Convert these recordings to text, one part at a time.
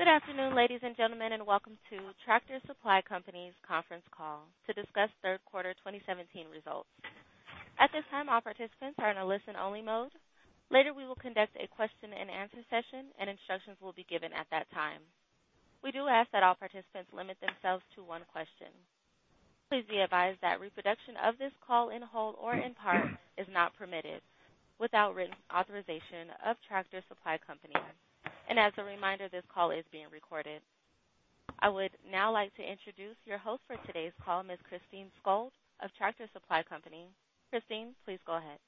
Good afternoon, ladies and gentlemen, and welcome to Tractor Supply Company's conference call to discuss third quarter 2017 results. At this time, all participants are in a listen-only mode. Later, we will conduct a question and answer session, and instructions will be given at that time. We do ask that all participants limit themselves to one question. Please be advised that reproduction of this call in whole or in part is not permitted without written authorization of Tractor Supply Company. This call is being recorded. I would now like to introduce your host for today's call, Ms. Christine Skold of Tractor Supply Company. Christine, please go ahead.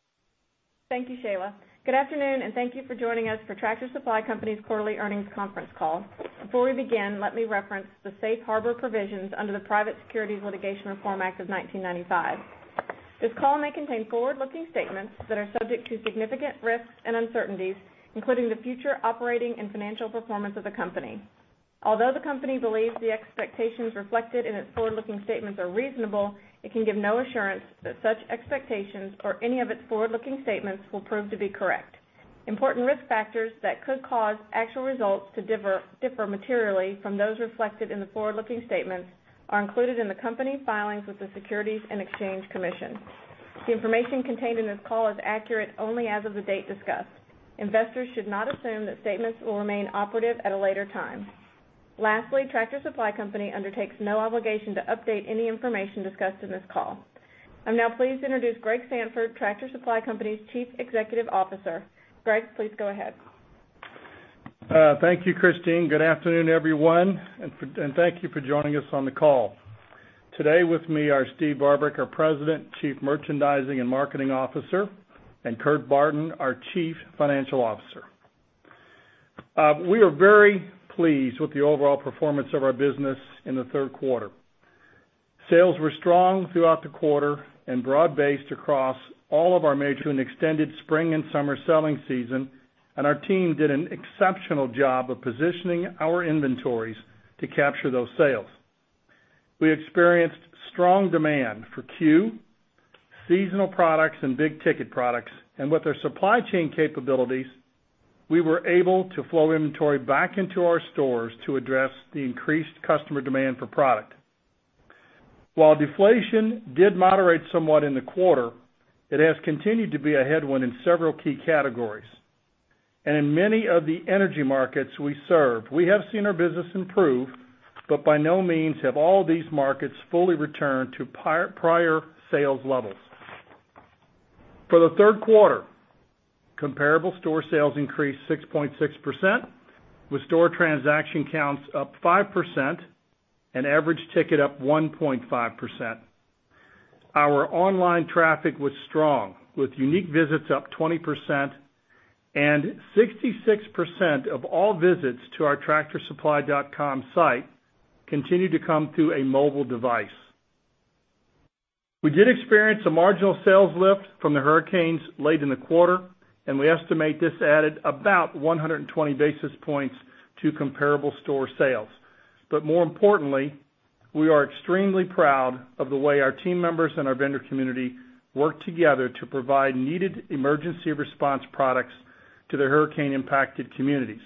Thank you, Shayla. Good afternoon, and thank you for joining us for Tractor Supply Company's quarterly earnings conference call. Before we begin, let me reference the safe harbor provisions under the Private Securities Litigation Reform Act of 1995. This call may contain forward-looking statements that are subject to significant risks and uncertainties, including the future operating and financial performance of the company. Although the company believes the expectations reflected in its forward-looking statements are reasonable, it can give no assurance that such expectations or any of its forward-looking statements will prove to be correct. Important risk factors that could cause actual results to differ materially from those reflected in the forward-looking statements are included in the company filings with the Securities and Exchange Commission. The information contained in this call is accurate only as of the date discussed. Investors should not assume that statements will remain operative at a later time. Lastly, Tractor Supply Company undertakes no obligation to update any information discussed in this call. I am now pleased to introduce Greg Sandfort, Tractor Supply Company's Chief Executive Officer. Greg, please go ahead. Thank you, Christine. Good afternoon, everyone, and thank you for joining us on the call. Today with me are Steve Barbarick, our President, Chief Merchandising and Marketing Officer, and Kurt Barton, our Chief Financial Officer. We are very pleased with the overall performance of our business in the third quarter. Sales were strong throughout the quarter and broad-based across all of our major extended spring and summer selling season, and our team did an exceptional job of positioning our inventories to capture those sales. We experienced strong demand for C.U.E., seasonal products, and big-ticket products. With their supply chain capabilities, we were able to flow inventory back into our stores to address the increased customer demand for product. While deflation did moderate somewhat in the quarter, it has continued to be a headwind in several key categories. In many of the energy markets we serve, we have seen our business improve, by no means have all these markets fully returned to prior sales levels. For the third quarter, comparable store sales increased 6.6%, with store transaction counts up 5% and average ticket up 1.5%. Our online traffic was strong, with unique visits up 20%, and 66% of all visits to our tractorsupply.com site continued to come through a mobile device. We did experience a marginal sales lift from the hurricanes late in the quarter, we estimate this added about 120 basis points to comparable store sales. More importantly, we are extremely proud of the way our team members and our vendor community worked together to provide needed emergency response products to the hurricane-impacted communities.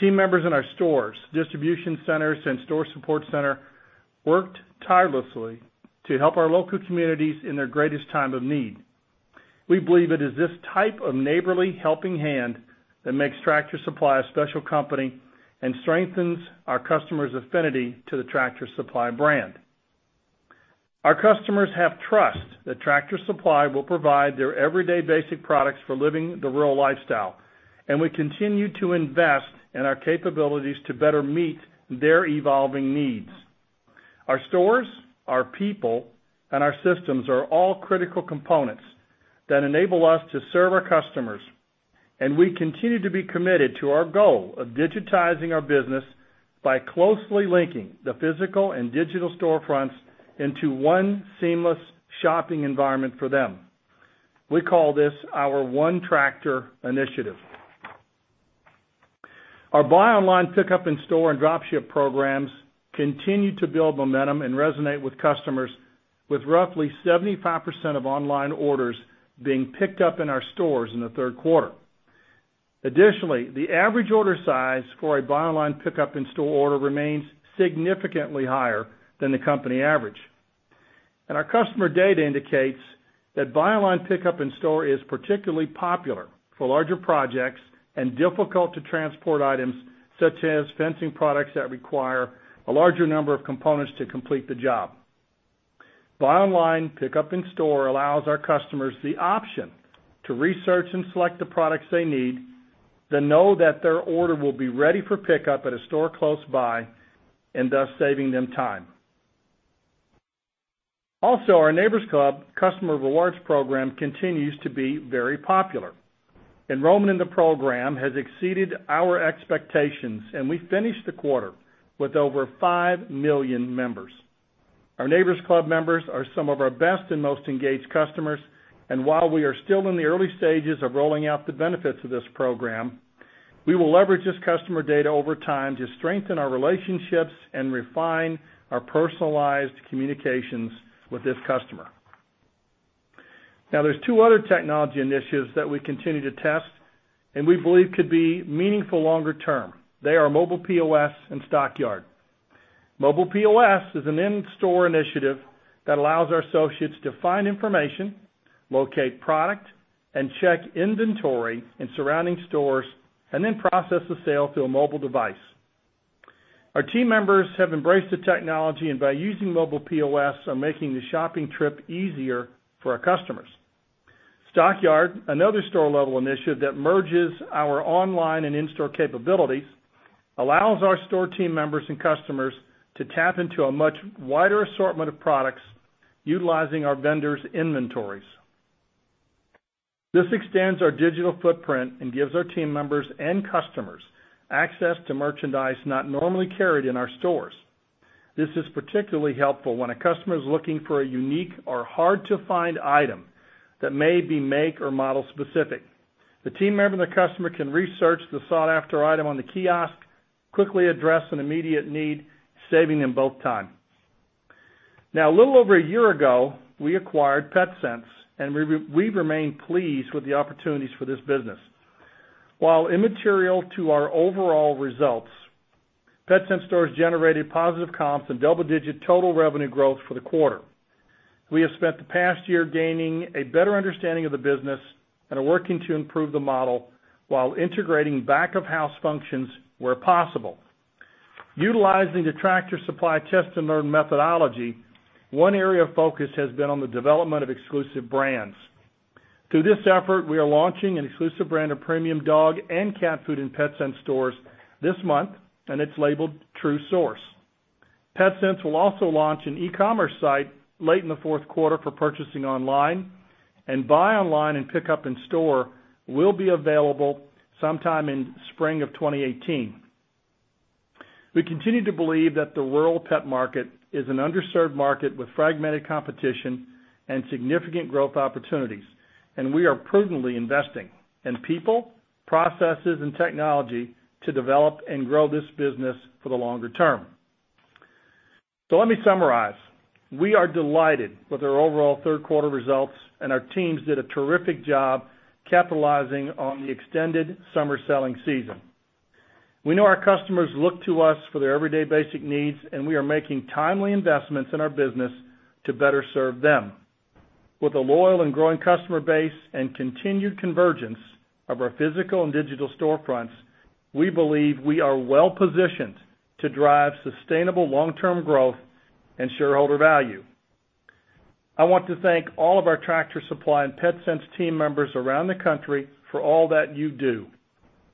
Team members in our stores, distribution centers, and store support center worked tirelessly to help our local communities in their greatest time of need. We believe it is this type of neighborly helping hand that makes Tractor Supply a special company and strengthens our customers' affinity to the Tractor Supply brand. Our customers have trust that Tractor Supply will provide their everyday basic products for living the rural lifestyle, we continue to invest in our capabilities to better meet their evolving needs. Our stores, our people, and our systems are all critical components that enable us to serve our customers, we continue to be committed to our goal of digitizing our business by closely linking the physical and digital storefronts into one seamless shopping environment for them. We call this our ONETractor initiative. Our buy online, pickup in-store, and drop ship programs continue to build momentum and resonate with customers, with roughly 75% of online orders being picked up in our stores in the third quarter. Additionally, the average order size for a buy online, pickup in-store order remains significantly higher than the company average. Our customer data indicates that buy online, pickup in-store is particularly popular for larger projects and difficult-to-transport items, such as fencing products that require a larger number of components to complete the job. Buy online, pickup in-store allows our customers the option to research and select the products they need, then know that their order will be ready for pickup at a store close by and thus saving them time. Also, our Neighbor's Club customer rewards program continues to be very popular. Enrollment in the program has exceeded our expectations, we finished the quarter with over 5 million members. Our Neighbor's Club members are some of our best and most engaged customers, while we are still in the early stages of rolling out the benefits of this program, we will leverage this customer data over time to strengthen our relationships and refine our personalized communications with this customer. There's two other technology initiatives that we continue to test and we believe could be meaningful longer-term. They are mobile POS and Stockyard. Mobile POS is an in-store initiative that allows our associates to find information, locate product, check inventory in surrounding stores, then process the sale through a mobile device. Our team members have embraced the technology, by using mobile POS, are making the shopping trip easier for our customers. Stockyard, another store-level initiative that merges our online and in-store capabilities, allows our store team members and customers to tap into a much wider assortment of products utilizing our vendors' inventories. This extends our digital footprint and gives our team members and customers access to merchandise not normally carried in our stores. This is particularly helpful when a customer is looking for a unique or hard-to-find item that may be make or model-specific. The team member and the customer can research the sought-after item on the kiosk, quickly address an immediate need, saving them both time. A little over a year ago, we acquired Petsense, and we remain pleased with the opportunities for this business. While immaterial to our overall results, Petsense stores generated positive comps and double-digit total revenue growth for the quarter. We have spent the past year gaining a better understanding of the business and are working to improve the model while integrating back-of-house functions where possible. Utilizing the Tractor Supply test-and-learn methodology, one area of focus has been on the development of exclusive brands. Through this effort, we are launching an exclusive brand of premium dog and cat food in Petsense stores this month, and it's labeled True Source. Petsense will also launch an e-commerce site late in the fourth quarter for purchasing online, and buy online and pickup in-store will be available sometime in spring of 2018. We continue to believe that the rural pet market is an underserved market with fragmented competition and significant growth opportunities, and we are prudently investing in people, processes, and technology to develop and grow this business for the longer term. Let me summarize. We are delighted with our overall third-quarter results, and our teams did a terrific job capitalizing on the extended summer selling season. We know our customers look to us for their everyday basic needs, and we are making timely investments in our business to better serve them. With a loyal and growing customer base and continued convergence of our physical and digital storefronts, we believe we are well-positioned to drive sustainable long-term growth and shareholder value. I want to thank all of our Tractor Supply and Petsense team members around the country for all that you do.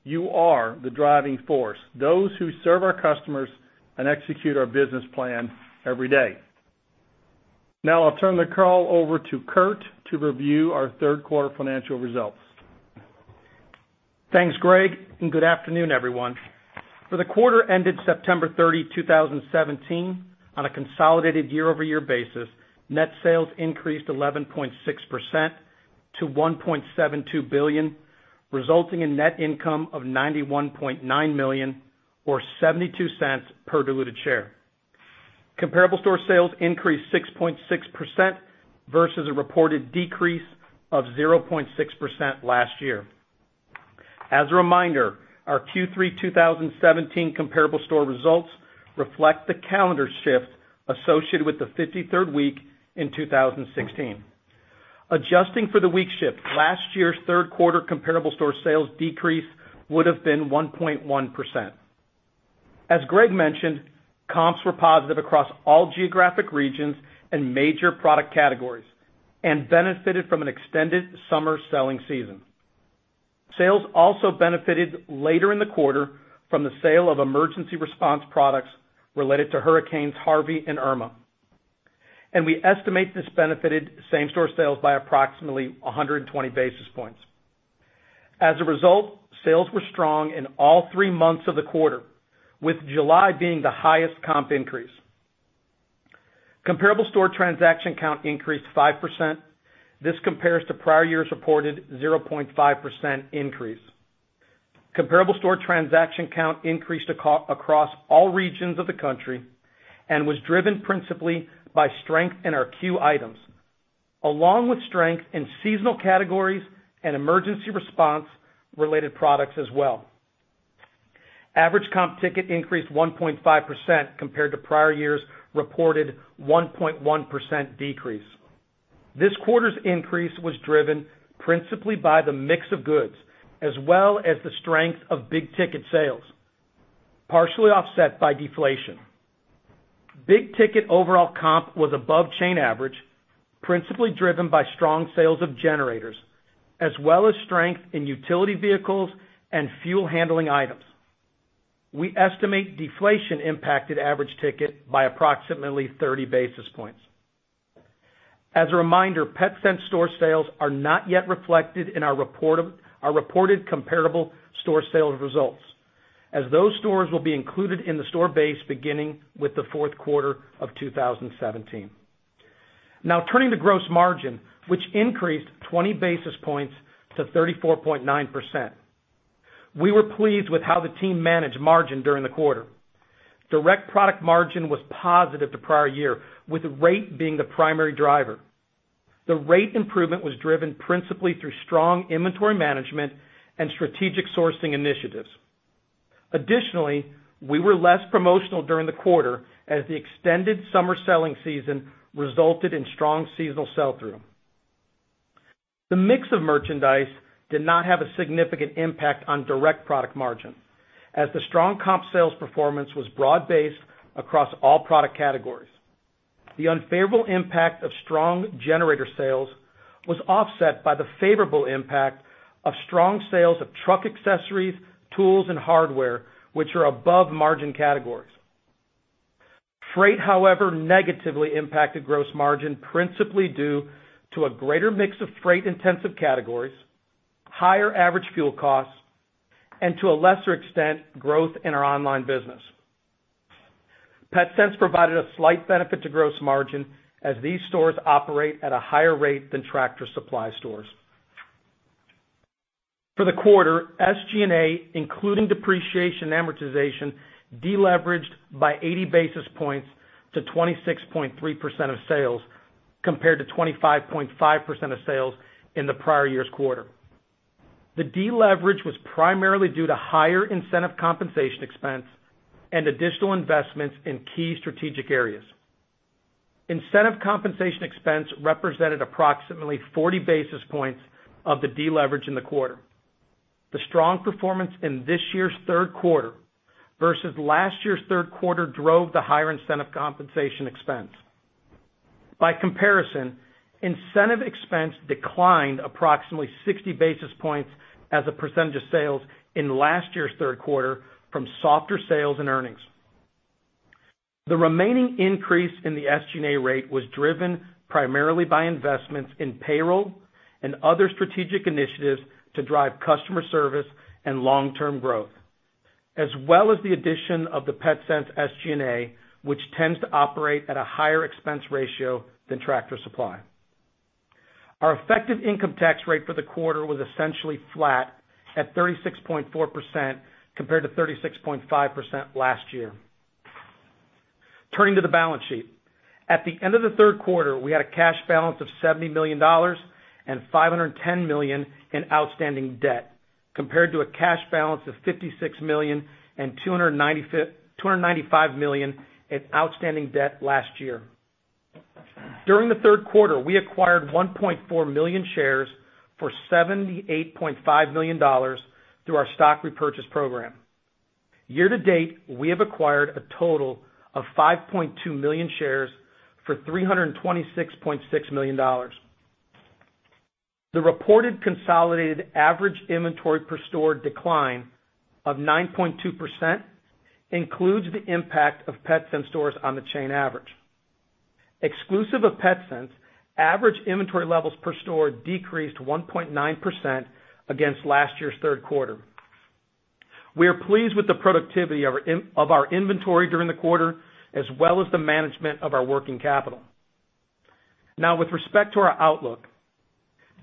You are the driving force, those who serve our customers and execute our business plan every day. I'll turn the call over to Kurt to review our third-quarter financial results. Thanks, Greg, and good afternoon, everyone. For the quarter ended September 30, 2017, on a consolidated year-over-year basis, net sales increased 11.6% to $1.72 billion, resulting in net income of $91.9 million or $0.72 per diluted share. Comparable store sales increased 6.6% versus a reported decrease of 0.6% last year. As a reminder, our Q3 2017 comparable store results reflect the calendar shift associated with the 53rd week in 2016. Adjusting for the week shift, last year's third quarter comparable store sales decrease would've been 1.1%. As Greg mentioned, comps were positive across all geographic regions and major product categories and benefited from an extended summer selling season. Sales also benefited later in the quarter from the sale of emergency response products related to hurricanes Harvey and Irma, and we estimate this benefited same-store sales by approximately 120 basis points. As a result, sales were strong in all three months of the quarter, with July being the highest comp increase. Comparable store transaction count increased 5%. This compares to prior year's reported 0.5% increase. Comparable store transaction count increased across all regions of the country and was driven principally by strength in our C.U.E. items, along with strength in seasonal categories and emergency response-related products as well. Average comp ticket increased 1.5% compared to prior year's reported 1.1% decrease. This quarter's increase was driven principally by the mix of goods as well as the strength of big-ticket sales, partially offset by deflation. Big ticket overall comp was above chain average, principally driven by strong sales of generators, as well as strength in utility vehicles and fuel handling items. We estimate deflation impacted average ticket by approximately 30 basis points. As a reminder, Petsense store sales are not yet reflected in our reported comparable store sales results, as those stores will be included in the store base beginning with the fourth quarter of 2017. Turning to gross margin, which increased 20 basis points to 34.9%. We were pleased with how the team managed margin during the quarter. Direct product margin was positive to prior year, with rate being the primary driver. The rate improvement was driven principally through strong inventory management and strategic sourcing initiatives. Additionally, we were less promotional during the quarter as the extended summer selling season resulted in strong seasonal sell-through. The mix of merchandise did not have a significant impact on direct product margin, as the strong comp sales performance was broad-based across all product categories. The unfavorable impact of strong generator sales was offset by the favorable impact of strong sales of truck accessories, tools and hardware, which are above-margin categories. Freight, however, negatively impacted gross margin principally due to a greater mix of freight-intensive categories, higher average fuel costs, and to a lesser extent, growth in our online business. Petsense provided a slight benefit to gross margin as these stores operate at a higher rate than Tractor Supply stores. For the quarter, SG&A, including depreciation and amortization, deleveraged by 80 basis points to 26.3% of sales, compared to 25.5% of sales in the prior year's quarter. The deleverage was primarily due to higher incentive compensation expense and additional investments in key strategic areas. Incentive compensation expense represented approximately 40 basis points of the deleverage in the quarter. The strong performance in this year's third quarter versus last year's third quarter drove the higher incentive compensation expense. By comparison, incentive expense declined approximately 60 basis points as a percentage of sales in last year's third quarter from softer sales and earnings. The remaining increase in the SG&A rate was driven primarily by investments in payroll and other strategic initiatives to drive customer service and long-term growth, as well as the addition of the Petsense SG&A, which tends to operate at a higher expense ratio than Tractor Supply. Our effective income tax rate for the quarter was essentially flat at 36.4% compared to 36.5% last year. Turning to the balance sheet. At the end of the third quarter, we had a cash balance of $70 million and $510 million in outstanding debt, compared to a cash balance of $56 million and $295 million in outstanding debt last year. During the third quarter, we acquired 1.4 million shares for $78.5 million through our stock repurchase program. Year to date, we have acquired a total of 5.2 million shares for $326.6 million. The reported consolidated average inventory per store decline of 9.2% includes the impact of Petsense stores on the chain average. Exclusive of Petsense, average inventory levels per store decreased 1.9% against last year's third quarter. We are pleased with the productivity of our inventory during the quarter, as well as the management of our working capital. With respect to our outlook,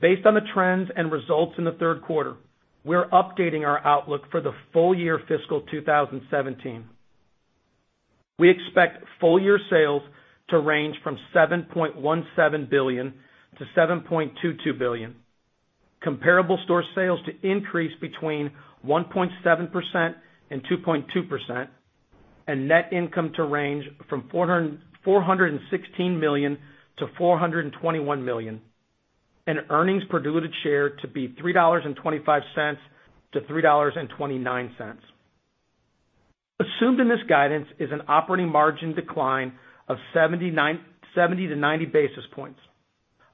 based on the trends and results in the third quarter, we're updating our outlook for the full year fiscal 2017. We expect full year sales to range from $7.17 billion-$7.22 billion, comparable store sales to increase between 1.7% and 2.2%, net income to range from $416 million-$421 million, and earnings per diluted share to be $3.25-$3.29. Assumed in this guidance is an operating margin decline of 70-90 basis points,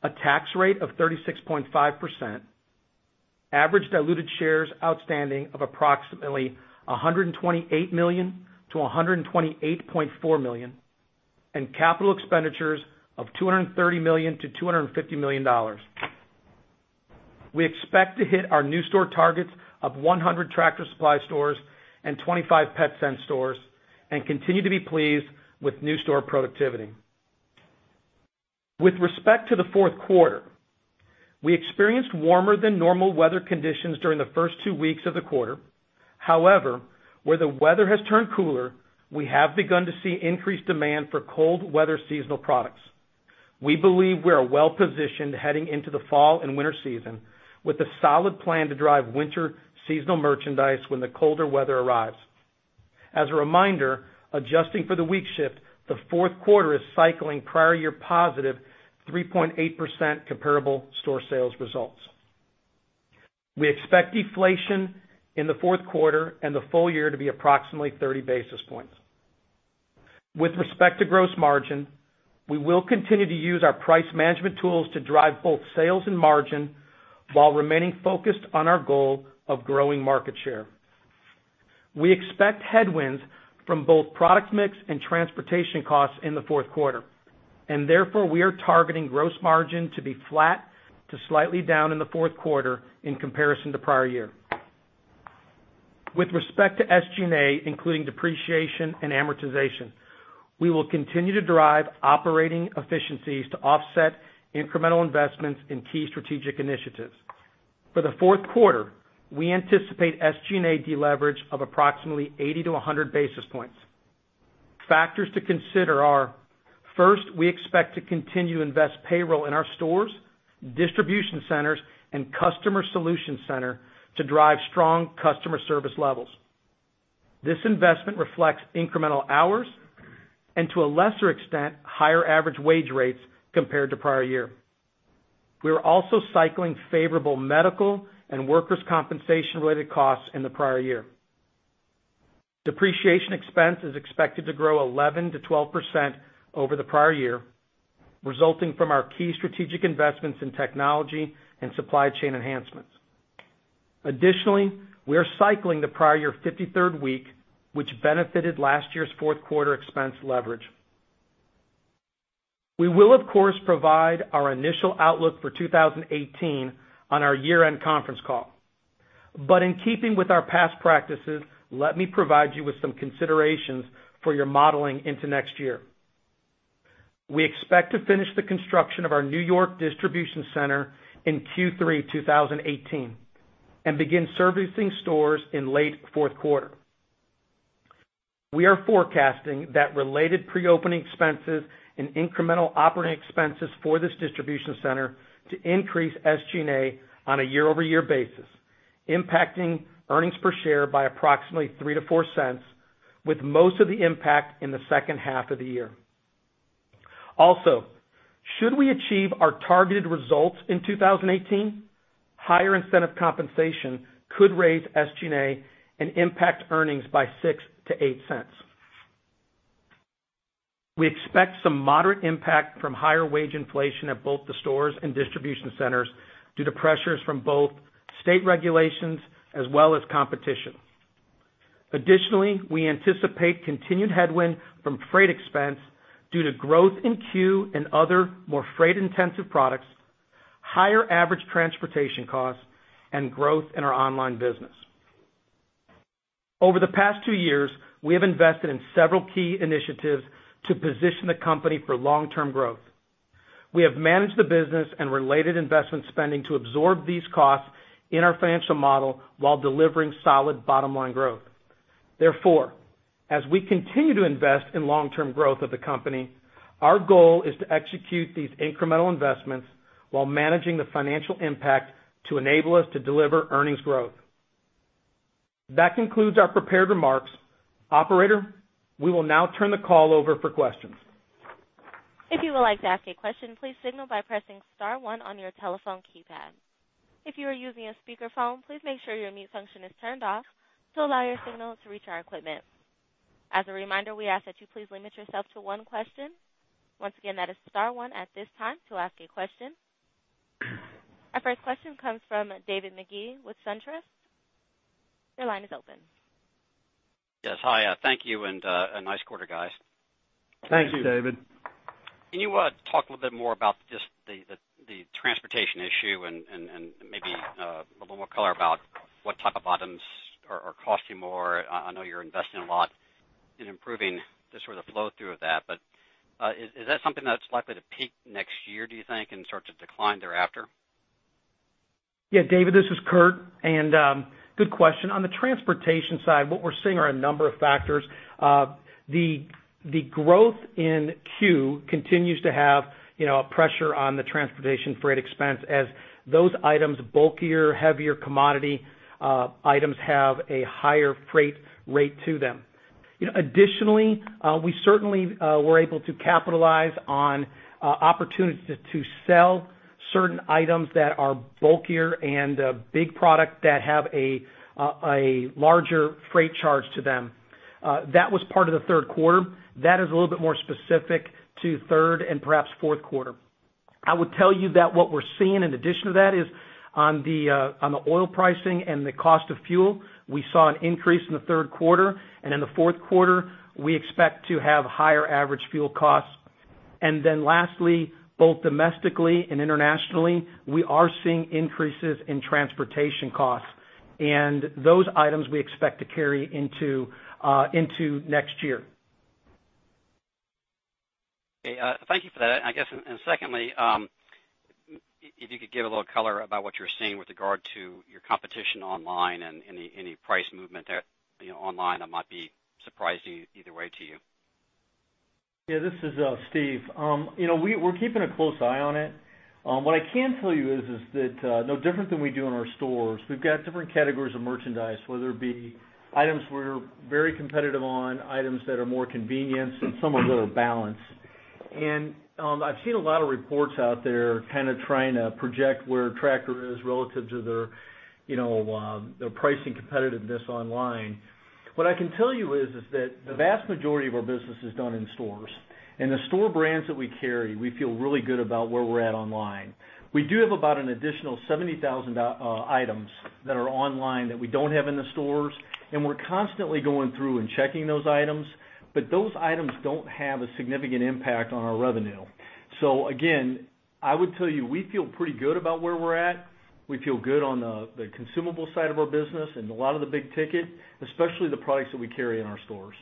a tax rate of 36.5%, average diluted shares outstanding of approximately 128 million-128.4 million, and capital expenditures of $230 million-$250 million. We expect to hit our new store targets of 100 Tractor Supply stores and 25 Petsense stores and continue to be pleased with new store productivity. With respect to the fourth quarter, we experienced warmer than normal weather conditions during the first two weeks of the quarter. Where the weather has turned cooler, we have begun to see increased demand for cold weather seasonal products. We believe we are well positioned heading into the fall and winter season with a solid plan to drive winter seasonal merchandise when the colder weather arrives. As a reminder, adjusting for the week shift, the fourth quarter is cycling prior year positive 3.8% comparable store sales results. We expect deflation in the fourth quarter and the full year to be approximately 30 basis points. With respect to gross margin, we will continue to use our price management tools to drive both sales and margin while remaining focused on our goal of growing market share. Therefore, we are targeting gross margin to be flat to slightly down in the fourth quarter in comparison to prior year. With respect to SG&A, including depreciation and amortization. We will continue to drive operating efficiencies to offset incremental investments in key strategic initiatives. For the fourth quarter, we anticipate SG&A deleverage of approximately 80-100 basis points. First, we expect to continue to invest payroll in our stores, distribution centers, and customer solution center to drive strong customer service levels. This investment reflects incremental hours and to a lesser extent, higher average wage rates compared to prior year. We are also cycling favorable medical and workers' compensation-related costs in the prior year. Depreciation expense is expected to grow 11%-12% over the prior year, resulting from our key strategic investments in technology and supply chain enhancements. Additionally, we are cycling the prior year 53rd week, which benefited last year's fourth quarter expense leverage. We will, of course, provide our initial outlook for 2018 on our year-end conference call. In keeping with our past practices, let me provide you with some considerations for your modeling into next year. We expect to finish the construction of our N.Y. distribution center in Q3 2018 and begin servicing stores in late fourth quarter. We are forecasting that related pre-opening expenses and incremental operating expenses for this distribution center to increase SG&A on a year-over-year basis, impacting earnings per share by approximately $0.03-$0.04 with most of the impact in the second half of the year. Also, should we achieve our targeted results in 2018, higher incentive compensation could raise SG&A and impact earnings by $0.06-$0.08. We expect some moderate impact from higher wage inflation at both the stores and distribution centers due to pressures from both state regulations as well as competition. Additionally, we anticipate continued headwind from freight expense due to growth in C.U.E. and other more freight-intensive products, higher average transportation costs, and growth in our online business. Over the past two years, we have invested in several key initiatives to position the company for long-term growth. We have managed the business and related investment spending to absorb these costs in our financial model while delivering solid bottom-line growth. Therefore, as we continue to invest in long-term growth of the company, our goal is to execute these incremental investments while managing the financial impact to enable us to deliver earnings growth. That concludes our prepared remarks. Operator, we will now turn the call over for questions. If you would like to ask a question, please signal by pressing star one on your telephone keypad. If you are using a speakerphone, please make sure your mute function is turned off to allow your signal to reach our equipment. As a reminder, we ask that you please limit yourself to one question. Once again, that is star one at this time to ask a question. Our first question comes from David Magee with SunTrust. Your line is open. Yes. Hi. Thank you, and nice quarter, guys. Thank you, David. Can you talk a little bit more about just the transportation issue and maybe a little more color about what type of items are costing more? I know you're investing a lot in improving the sort of flow through of that, but is that something that's likely to peak next year, do you think, and start to decline thereafter? Yeah, David, this is Kurt, and good question. On the transportation side, what we're seeing are a number of factors. The growth in C.U.E. continues to have pressure on the transportation freight expense as those items, bulkier, heavier commodity items have a higher freight rate to them. Additionally, we certainly were able to capitalize on opportunities to sell certain items that are bulkier and big product that have a larger freight charge to them. That was part of the third quarter. That is a little bit more specific to third and perhaps fourth quarter. I would tell you that what we're seeing in addition to that is on the oil pricing and the cost of fuel, we saw an increase in the third quarter, and in the fourth quarter, we expect to have higher average fuel costs. Lastly, both domestically and internationally, we are seeing increases in transportation costs. Those items we expect to carry into next year. Okay. Thank you for that. Secondly, if you could give a little color about what you're seeing with regard to your competition online and any price movement online that might be surprising either way to you. Yeah, this is Steve. We're keeping a close eye on it. What I can tell you is that no different than we do in our stores, we've got different categories of merchandise, whether it be items we're very competitive on, items that are more convenience, and some a little balance. I've seen a lot of reports out there kind of trying to project where Tractor is relative to their pricing competitiveness online. What I can tell you is that the vast majority of our business is done in stores. The store brands that we carry, we feel really good about where we're at online. We do have about an additional 70,000 items that are online that we don't have in the stores, and we're constantly going through and checking those items. Those items don't have a significant impact on our revenue Again, I would tell you, we feel pretty good about where we're at. We feel good on the consumable side of our business and a lot of the big ticket, especially the products that we carry in our stores.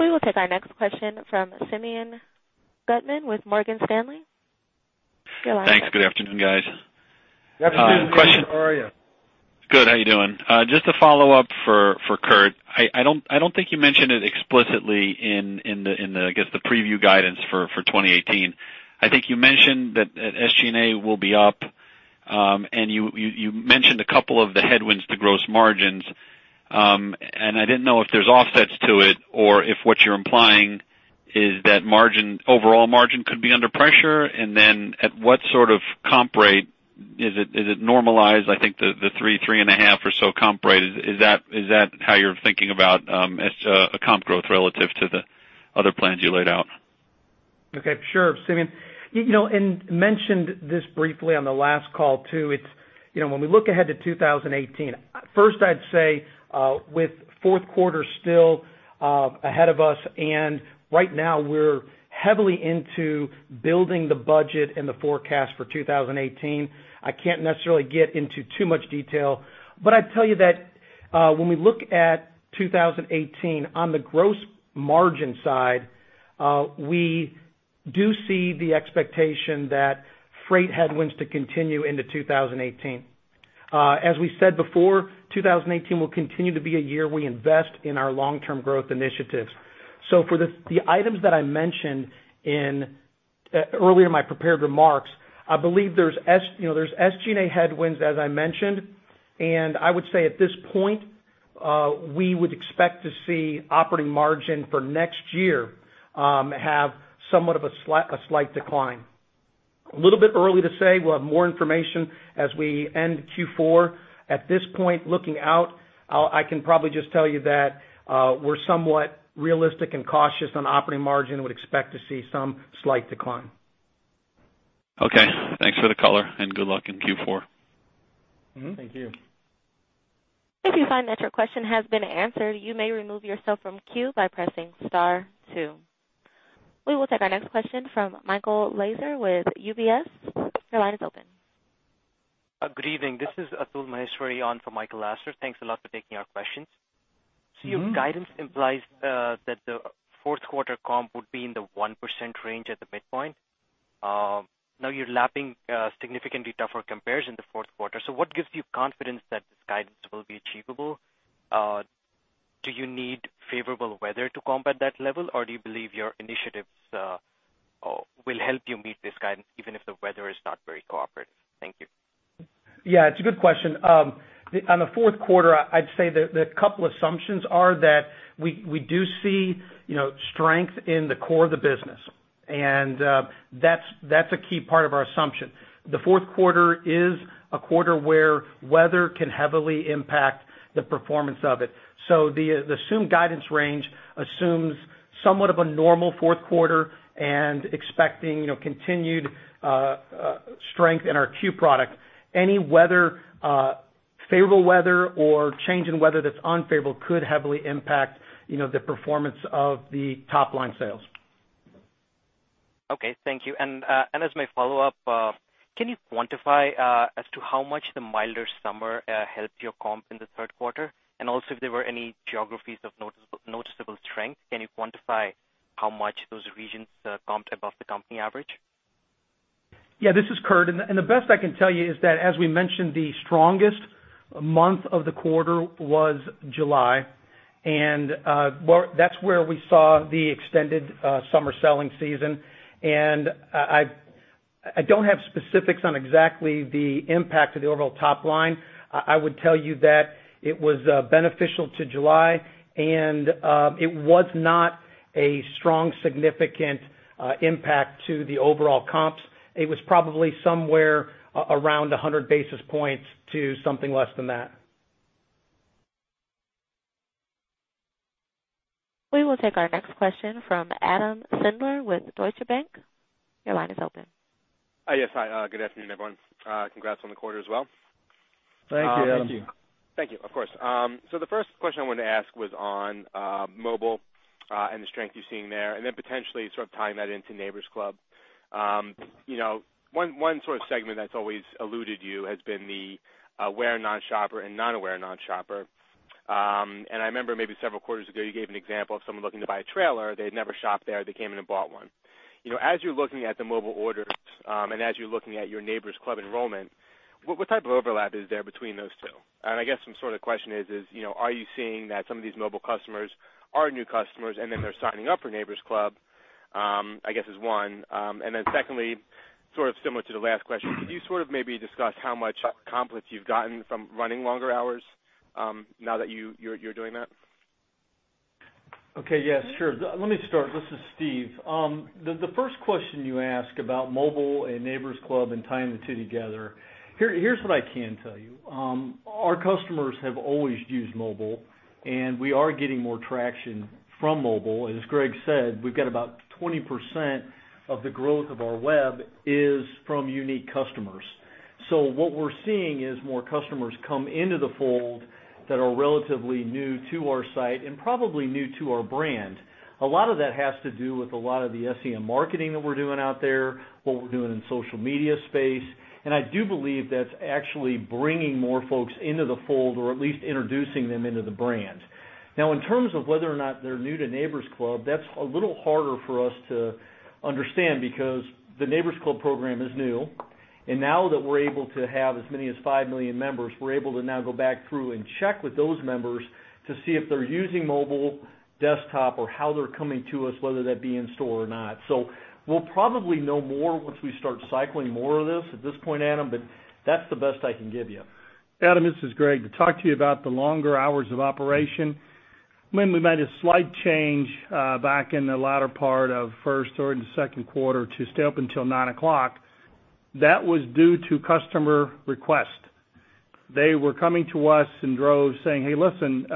We will take our next question from Simeon Gutman with Morgan Stanley. Your line is open. Thanks. Good afternoon, guys. Good afternoon, Simeon. How are you? Good. How you doing? Just to follow up for Kurt. I don't think you mentioned it explicitly in the preview guidance for 2018. I think you mentioned that SG&A will be up, you mentioned a couple of the headwinds to gross margins. I didn't know if there's offsets to it or if what you're implying is that overall margin could be under pressure. Then at what sort of comp rate is it normalized? I think the 3.5% or so comp rate, is that how you're thinking about a comp growth relative to the other plans you laid out? Okay. Sure, Simeon. Mentioned this briefly on the last call too. When we look ahead to 2018, first I'd say with fourth quarter still ahead of us and right now we're heavily into building the budget and the forecast for 2018. I can't necessarily get into too much detail, but I'd tell you that when we look at 2018 on the gross margin side, we do see the expectation that freight headwinds to continue into 2018. As we said before, 2018 will continue to be a year we invest in our long-term growth initiatives. For the items that I mentioned earlier in my prepared remarks, I believe there's SG&A headwinds, as I mentioned. I would say at this point, we would expect to see operating margin for next year have somewhat of a slight decline. A little bit early to say. We'll have more information as we end Q4. At this point, looking out, I can probably just tell you that we're somewhat realistic and cautious on operating margin and would expect to see some slight decline. Okay. Thanks for the color and good luck in Q4. Thank you. If you find that your question has been answered, you may remove yourself from queue by pressing *2. We will take our next question from Michael Lasser with UBS. Your line is open. Good evening. This is Atul Maheswari on for Michael Lasser. Thanks a lot for taking our questions. Your guidance implies that the fourth quarter comp would be in the 1% range at the midpoint. You're lapping a significantly tougher comparison in the fourth quarter. What gives you confidence that this guidance will be achievable? Do you need favorable weather to combat that level, or do you believe your initiatives will help you meet this guidance even if the weather is not very cooperative? Thank you. Yeah, it's a good question. On the fourth quarter, I'd say the couple assumptions are that we do see strength in the core of the business. That's a key part of our assumption. The fourth quarter is a quarter where weather can heavily impact the performance of it. The assumed guidance range assumes somewhat of a normal fourth quarter and expecting continued strength in our C.U.E. product. Any favorable weather or change in weather that's unfavorable could heavily impact the performance of the top-line sales. Okay, thank you. As my follow-up, can you quantify as to how much the milder summer helped your comp in the third quarter? Also if there were any geographies of noticeable strength, can you quantify how much those regions comped above the company average? Yeah, this is Kurt, the best I can tell you is that as we mentioned, the strongest month of the quarter was July. That's where we saw the extended summer selling season. I don't have specifics on exactly the impact to the overall top line. I would tell you that it was beneficial to July and it was not a strong, significant impact to the overall comps. It was probably somewhere around 100 basis points to something less than that. We will take our next question from Adam Sindler with Deutsche Bank. Your line is open. Yes. Hi, good afternoon, everyone. Congrats on the quarter as well. Thank you, Adam. Thank you. Thank you. Of course. The first question I wanted to ask was on mobile and the strength you're seeing there, then potentially sort of tying that into Neighbor's Club. One sort of segment that's always eluded you has been the aware non-shopper and non-aware non-shopper. I remember maybe several quarters ago, you gave an example of someone looking to buy a trailer. They had never shopped there. They came in and bought one. As you're looking at the mobile orders, as you're looking at your Neighbor's Club enrollment, what type of overlap is there between those two? I guess some sort of question is are you seeing that some of these mobile customers are new customers and then they're signing up for Neighbor's Club? I guess is one. Secondly, sort of similar to the last question, could you sort of maybe discuss how much uplift you've gotten from running longer hours now that you're doing that? Okay. Yeah, sure. Let me start. This is Steve. The first question you asked about mobile and Neighbor's Club and tying the two together. Here's what I can tell you. Our customers have always used mobile, we are getting more traction from mobile. As Greg said, we've got about 20% of the growth of our web is from unique customers. What we're seeing is more customers come into the fold that are relatively new to our site and probably new to our brand. A lot of that has to do with a lot of the SEM marketing that we're doing out there, what we're doing in social media space. I do believe that's actually bringing more folks into the fold or at least introducing them into the brand. In terms of whether or not they're new to Neighbor's Club, that's a little harder for us to understand because the Neighbor's Club program is new. Now that we're able to have as many as 5 million members, we're able to now go back through and check with those members to see if they're using mobile, desktop, or how they're coming to us, whether that be in store or not. We'll probably know more once we start cycling more of this at this point, Adam, but that's the best I can give you. Adam, this is Greg. To talk to you about the longer hours of operation, when we made a slight change back in the latter part of first or in the second quarter to stay open till 9:00, that was due to customer request. They were coming to us in droves saying, "Hey, listen,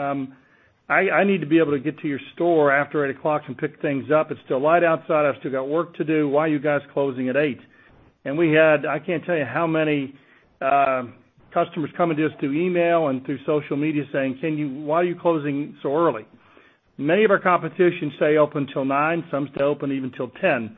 I need to be able to get to your store after 8:00 and pick things up. It's still light outside. I've still got work to do. Why are you guys closing at 8:00?" We had, I can't tell you how many customers coming to us through email and through social media saying, "Why are you closing so early?" Many of our competitions stay open till 9:00, some stay open even till 10:00.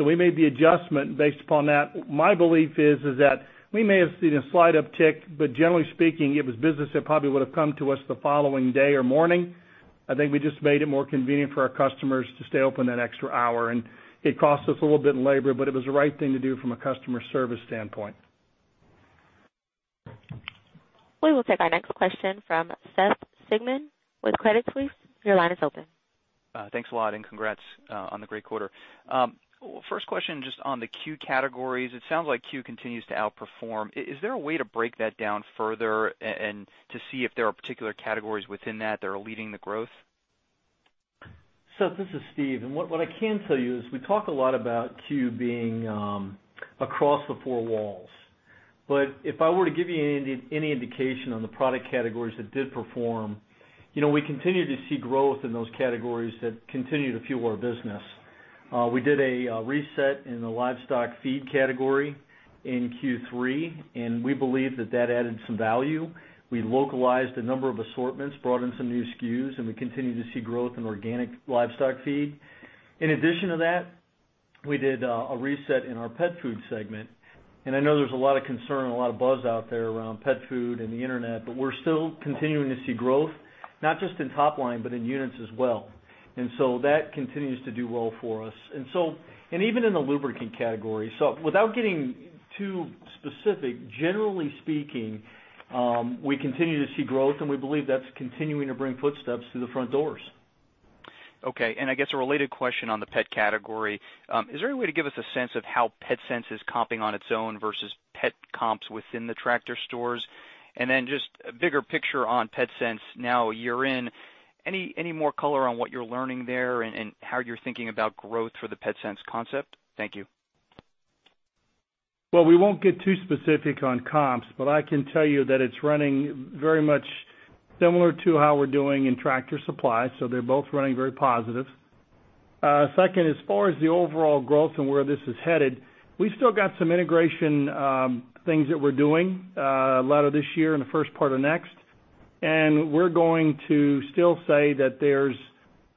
We made the adjustment based upon that. My belief is that we may have seen a slight uptick. Generally speaking, it was business that probably would've come to us the following day or morning. I think we just made it more convenient for our customers to stay open that extra hour. It cost us a little bit in labor, but it was the right thing to do from a customer service standpoint. We will take our next question from Seth Sigman with Credit Suisse. Your line is open. Thanks a lot. Congrats on the great quarter. First question, just on the C.U.E. categories. It sounds like C.U.E. continues to outperform. Is there a way to break that down further and to see if there are particular categories within that are leading the growth? Seth, this is Steve. What I can tell you is we talk a lot about C.U.E. being across the four walls. If I were to give you any indication on the product categories that did perform, we continue to see growth in those categories that continue to fuel our business. We did a reset in the livestock feed category in Q3, and we believe that that added some value. We localized a number of assortments, brought in some new SKUs, and we continue to see growth in organic livestock feed. In addition to that, we did a reset in our pet food segment. I know there's a lot of concern and a lot of buzz out there around pet food and the Internet, but we're still continuing to see growth, not just in top line, but in units as well. That continues to do well for us. Even in the lubricant category. Without getting too specific, generally speaking, we continue to see growth, and we believe that's continuing to bring footsteps through the front doors. Okay. I guess a related question on the pet category. Is there any way to give us a sense of how Petsense is comping on its own versus pet comps within the Tractor stores? Just a bigger picture on Petsense now a year in, any more color on what you're learning there and how you're thinking about growth for the Petsense concept? Thank you. Well, we won't get too specific on comps. I can tell you that it's running very much similar to how we're doing in Tractor Supply. They're both running very positive. Second, as far as the overall growth and where this is headed, we still got some integration things that we're doing later this year in the first part of next. We're going to still say that there's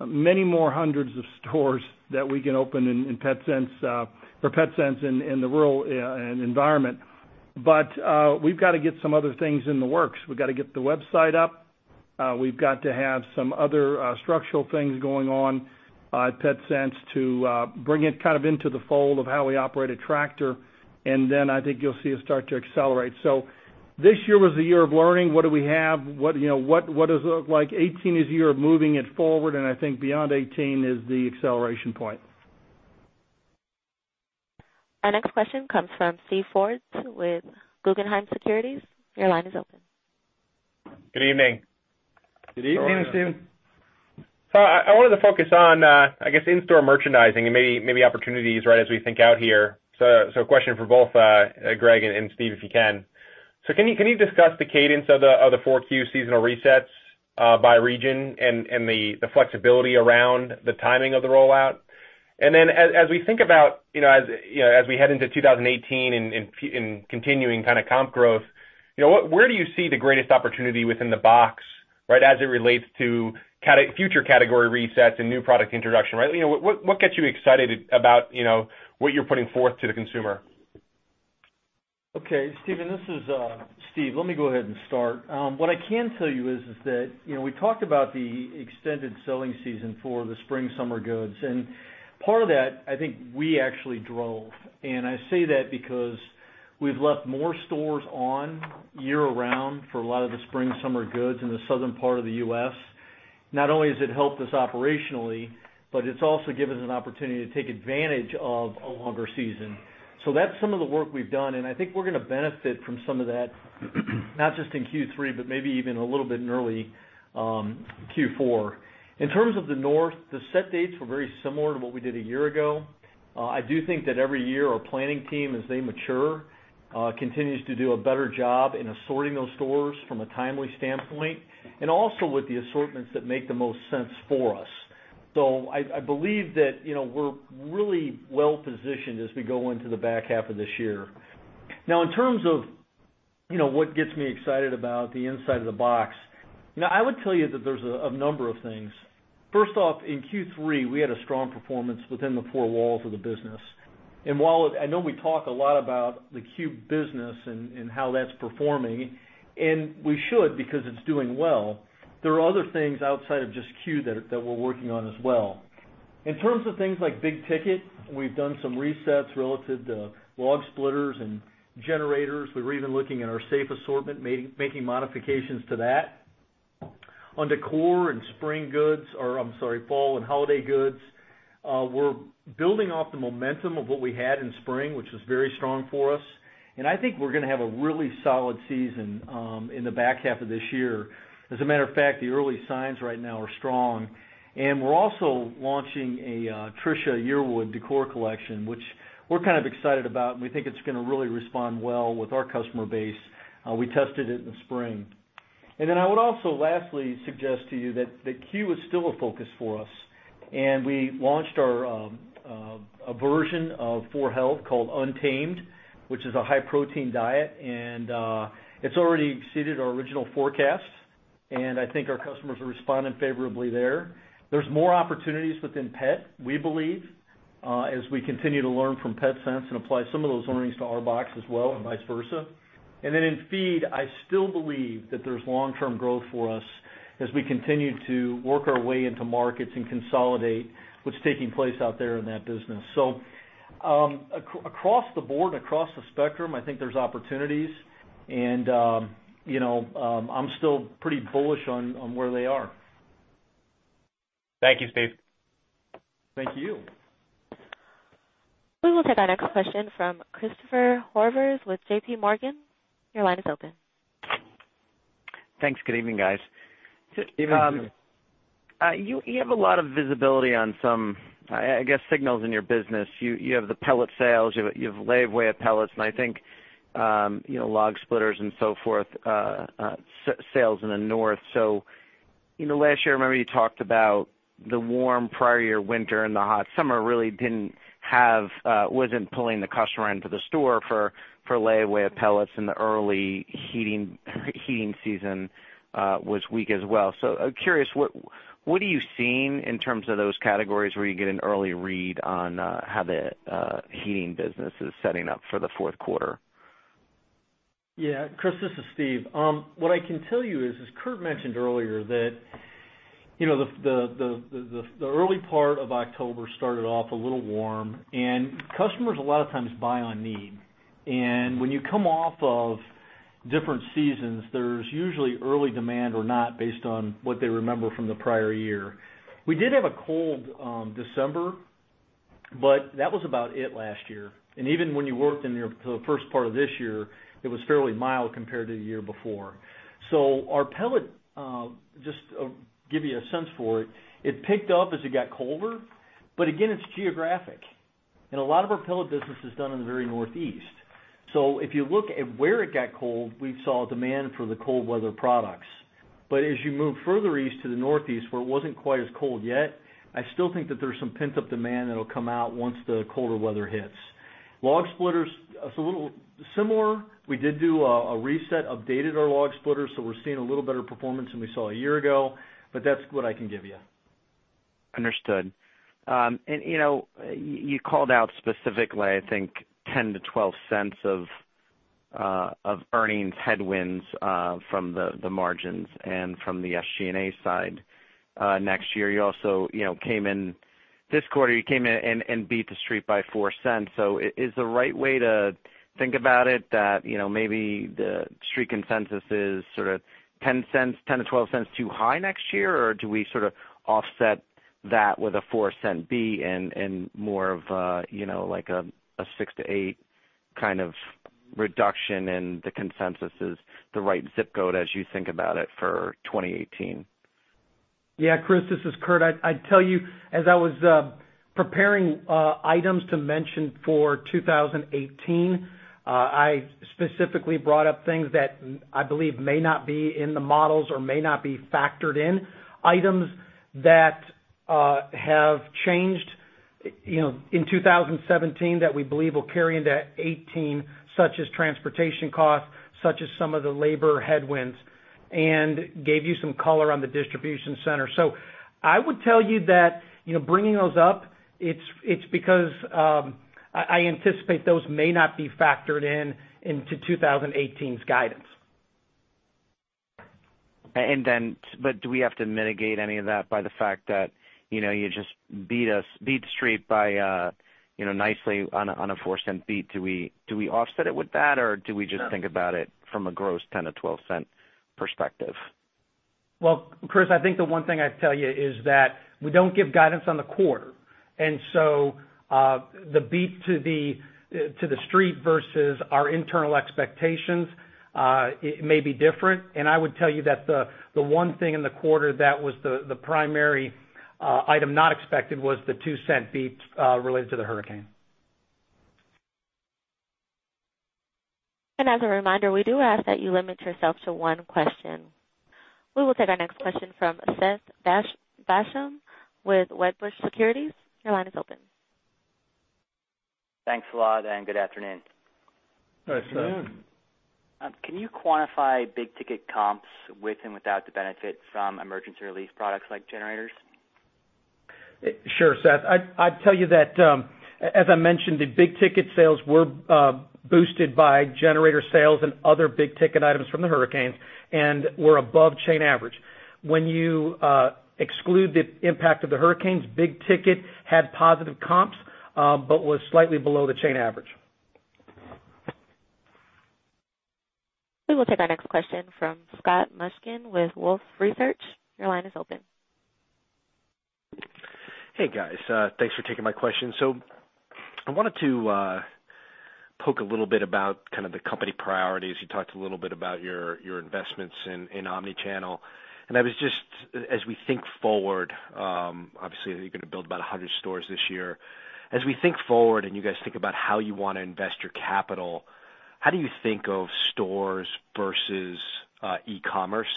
many more hundreds of stores that we can open for Petsense in the rural environment. We've got to get some other things in the works. We've got to get the website up. We've got to have some other structural things going on at Petsense to bring it into the fold of how we operate at Tractor, and I think you'll see us start to accelerate. This year was the year of learning what do we have, what does it look like. 2018 is the year of moving it forward, and I think beyond 2018 is the acceleration point. Our next question comes from Steven Forbes with Guggenheim Securities. Your line is open. Good evening. Good evening, Steve. I wanted to focus on, I guess, in-store merchandising and maybe opportunities right as we think out here. A question for both Greg and Steve, if you can. Can you discuss the cadence of the four C.U.E. seasonal resets by region and the flexibility around the timing of the rollout? Then as we think about as we head into 2018 and continuing comp growth, where do you see the greatest opportunity within the box as it relates to future category resets and new product introduction? What gets you excited about what you're putting forth to the consumer? Okay, Steven, this is Steve. Let me go ahead and start. What I can tell you is we talked about the extended selling season for the spring-summer goods, and part of that, I think we actually drove. I say that because we've left more stores on year-round for a lot of the spring-summer goods in the Southern part of the U.S. Not only has it helped us operationally, but it's also given us an opportunity to take advantage of a longer season. That's some of the work we've done, and I think we're going to benefit from some of that, not just in Q3, but maybe even a little bit in early Q4. In terms of the North, the set dates were very similar to what we did a year ago. I do think every year our planning team, as they mature, continues to do a better job in assorting those stores from a timely standpoint, and also with the assortments that make the most sense for us. I believe that we're really well-positioned as we go into the back half of this year. In terms of what gets me excited about the inside of the box, I would tell you there's a number of things. First off, in Q3, we had a strong performance within the four walls of the business. While I know we talk a lot about the C.U.E. business and how that's performing, and we should, because it's doing well, there are other things outside of just C.U.E. that we're working on as well. In terms of things like big ticket, we've done some resets relative to log splitters and generators. We're even looking at our safe assortment, making modifications to that. On decor and spring goods, or I'm sorry, fall and holiday goods, we're building off the momentum of what we had in spring, which was very strong for us. I think we're going to have a really solid season in the back half of this year. As a matter of fact, the early signs right now are strong. We're also launching a Trisha Yearwood decor collection, which we're kind of excited about, and we think it's going to really respond well with our customer base. We tested it in the spring. I would also lastly suggest to you C.U.E. is still a focus for us. We launched a version of 4health called Untamed, which is a high-protein diet, and it's already exceeded our original forecast. I think our customers are responding favorably there. There's more opportunities within pet, we believe, as we continue to learn from Petsense and apply some of those learnings to Our Box as well, and vice versa. In feed, I still believe that there's long-term growth for us as we continue to work our way into markets and consolidate what's taking place out there in that business. Across the board, across the spectrum, I think there's opportunities, and I'm still pretty bullish on where they are. Thank you, Steve. Thank you. We will take our next question from Christopher Horvers with JPMorgan. Your line is open. Thanks. Good evening, guys. Evening. You have a lot of visibility on some, I guess, signals in your business. You have the pellet sales, you have layaway of pellets, and I think log splitters and so forth, sales in the North. Last year, I remember you talked about the warm prior year winter and the hot summer really wasn't pulling the customer into the store for layaway of pellets in the early heating season was weak as well. I'm curious, what are you seeing in terms of those categories where you get an early read on how the heating business is setting up for the fourth quarter? Yeah. Chris, this is Steve. What I can tell you is, as Kurt mentioned earlier, that the early part of October started off a little warm and customers a lot of times buy on need. When you come off of different seasons, there's usually early demand or not based on what they remember from the prior year. We did have a cold December, that was about it last year. Even when you worked in the first part of this year, it was fairly mild compared to the year before. Our pellet, just to give you a sense for it, picked up as it got colder. Again, it's geographic. A lot of our pellet business is done in the very Northeast. If you look at where it got cold, we saw demand for the cold weather products. As you move further east to the Northeast, where it wasn't quite as cold yet, I still think that there's some pent-up demand that'll come out once the colder weather hits. Log splitters, it's a little similar. We did do a reset, updated our log splitters, we're seeing a little better performance than we saw a year ago, that's what I can give you. Understood. You called out specifically, I think $0.10-$0.12 of earnings headwinds from the margins and from the SG&A side next year. This quarter, you came in and beat the Street by $0.04. Is the right way to think about it that maybe the Street consensus is sort of $0.10-$0.12 too high next year, or do we sort of offset that with a $0.04 beat and more of a 6-8 kind of reduction, and the consensus is the right ZIP code as you think about it for 2018? Yeah, Christopher, this is Kurt. I'd tell you, as I was preparing items to mention for 2018, I specifically brought up things that I believe may not be in the models or may not be factored in. Items that have changed in 2017 that we believe will carry into 2018, such as transportation costs, such as some of the labor headwinds, and gave you some color on the distribution center. I would tell you that bringing those up, it's because I anticipate those may not be factored into 2018's guidance. Do we have to mitigate any of that by the fact that you just beat the Street nicely on a $0.04 beat? Do we offset it with that, or do we just think about it from a gross $0.10-$0.12 perspective? Well, Christopher, I think the one thing I'd tell you is that we don't give guidance on the quarter. The beat to the Street versus our internal expectations, it may be different. I would tell you that the one thing in the quarter that was the primary item not expected was the $0.02 beat related to the hurricane. As a reminder, we do ask that you limit yourself to one question. We will take our next question from Seth Basham with Wedbush Securities. Your line is open. Thanks a lot, good afternoon. Hi, Seth. Can you quantify big-ticket comps with and without the benefit from emergency relief products like generators? Sure, Seth. I'd tell you that, as I mentioned, the big ticket sales were boosted by generator sales and other big-ticket items from the hurricanes and were above chain average. When you exclude the impact of the hurricanes, big ticket had positive comps, but was slightly below the chain average. We will take our next question from Scott Mushkin with Wolfe Research. Your line is open. Hey, guys. Thanks for taking my question. I wanted to poke a little bit about kind of the company priorities. You talked a little bit about your investments in omnichannel, as we think forward, obviously you're going to build about 100 stores this year. As we think forward and you guys think about how you want to invest your capital, how do you think of stores versus e-commerce?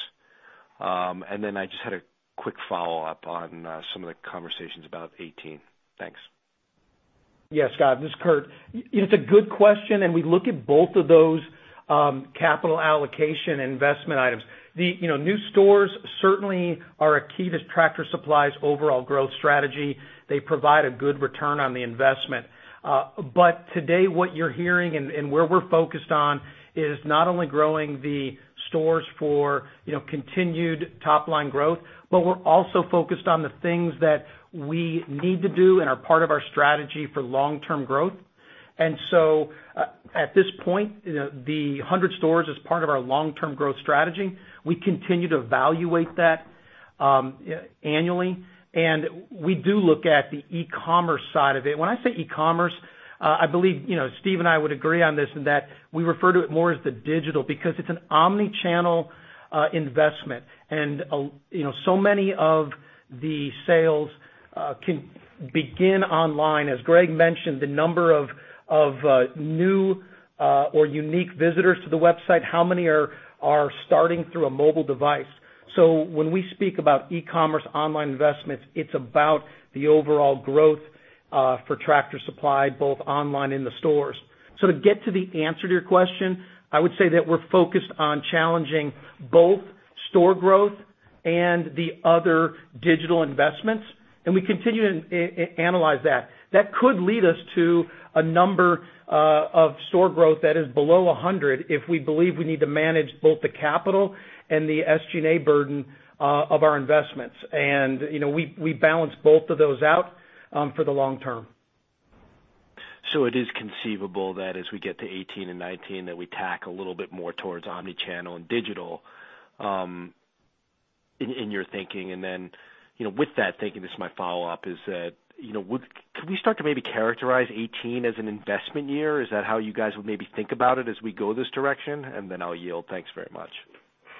I just had a quick follow-up on some of the conversations about 2018. Thanks. Yeah, Scott, this is Kurt. It's a good question, we look at both of those capital allocation investment items. New stores certainly are a key to Tractor Supply's overall growth strategy. They provide a good return on the investment. Today, what you're hearing and where we're focused on is not only growing the stores for continued top-line growth, but we're also focused on the things that we need to do and are part of our strategy for long-term growth. At this point, the 100 stores is part of our long-term growth strategy. We continue to evaluate that annually, we do look at the e-commerce side of it. When I say e-commerce, I believe Steve and I would agree on this that we refer to it more as the digital because it's an omnichannel investment, many of the sales can begin online. As Greg mentioned, the number of new or unique visitors to the website, how many are starting through a mobile device? When we speak about e-commerce online investments, it is about the overall growth for Tractor Supply, both online and the stores. To get to the answer to your question, I would say that we are focused on challenging both store growth and the other digital investments, and we continue to analyze that. That could lead us to a number of store growth that is below 100 if we believe we need to manage both the capital and the SG&A burden of our investments. We balance both of those out for the long term. It is conceivable that as we get to 2018 and 2019, that we tack a little bit more towards omnichannel and digital in your thinking. With that thinking, this is my follow-up, is that could we start to maybe characterize 2018 as an investment year? Is that how you guys would maybe think about it as we go this direction? I will yield. Thanks very much.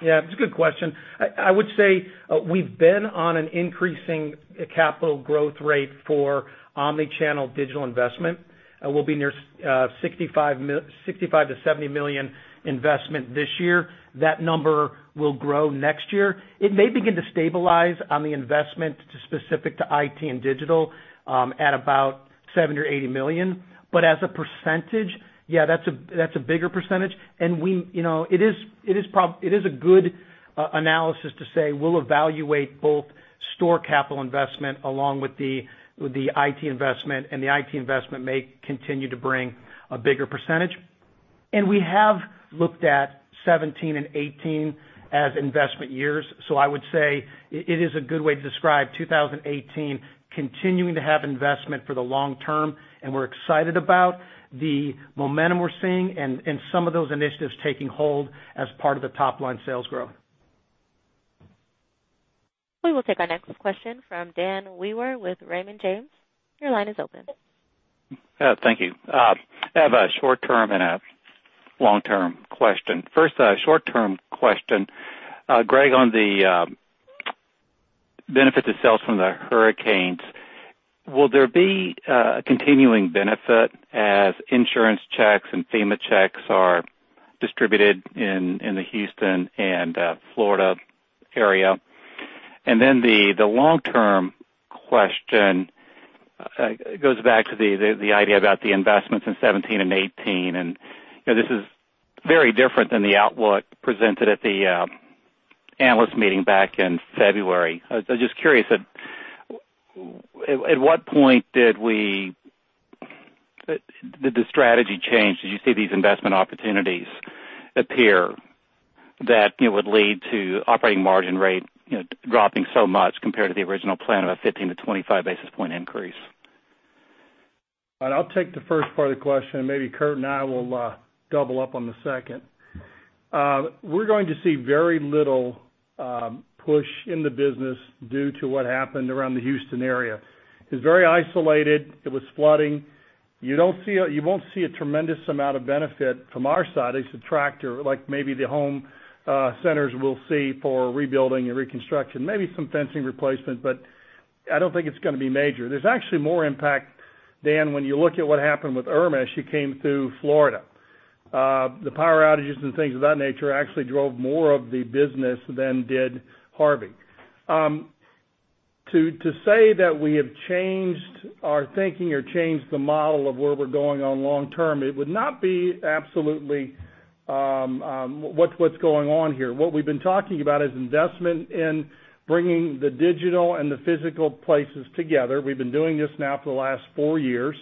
It is a good question. I would say we have been on an increasing capital growth rate for omnichannel digital investment, and we will be near $65 million-$70 million investment this year. That number will grow next year. It may begin to stabilize on the investment specific to IT and digital at about $70 million or $80 million. As a percentage, that is a bigger percentage. It is a good analysis to say we will evaluate both store capital investment along with the IT investment, and the IT investment may continue to bring a bigger percentage. We have looked at 2017 and 2018 as investment years. I would say it is a good way to describe 2018 continuing to have investment for the long term, and we are excited about the momentum we are seeing and some of those initiatives taking hold as part of the top-line sales growth. We will take our next question from Dan Wewer with Raymond James. Your line is open. Thank you. I have a short-term and a long-term question. First, a short-term question. Greg, on the benefit to sales from the hurricanes, will there be a continuing benefit as insurance checks and FEMA checks are distributed in the Houston and Florida area? Then the long-term question goes back to the idea about the investments in 2017 and 2018, this is very different than the outlook presented at the analyst meeting back in February. I was just curious, at what point did the strategy change? Did you see these investment opportunities appear that it would lead to operating margin rate dropping so much compared to the original plan of a 15 to 25 basis point increase? I'll take the first part of the question. Maybe Kurt and I will double up on the second. We're going to see very little push in the business due to what happened around the Houston area. It was very isolated. It was flooding. You won't see a tremendous amount of benefit from our side as a Tractor, like maybe the home centers will see for rebuilding and reconstruction. Maybe some fencing replacement, I don't think it's going to be major. There's actually more impact Dan, when you look at what happened with Irma, she came through Florida. The power outages and things of that nature actually drove more of the business than did Harvey. To say that we have changed our thinking or changed the model of where we're going on long term, it would not be absolutely what's going on here. What we've been talking about is investment in bringing the digital and the physical places together. We've been doing this now for the last four years.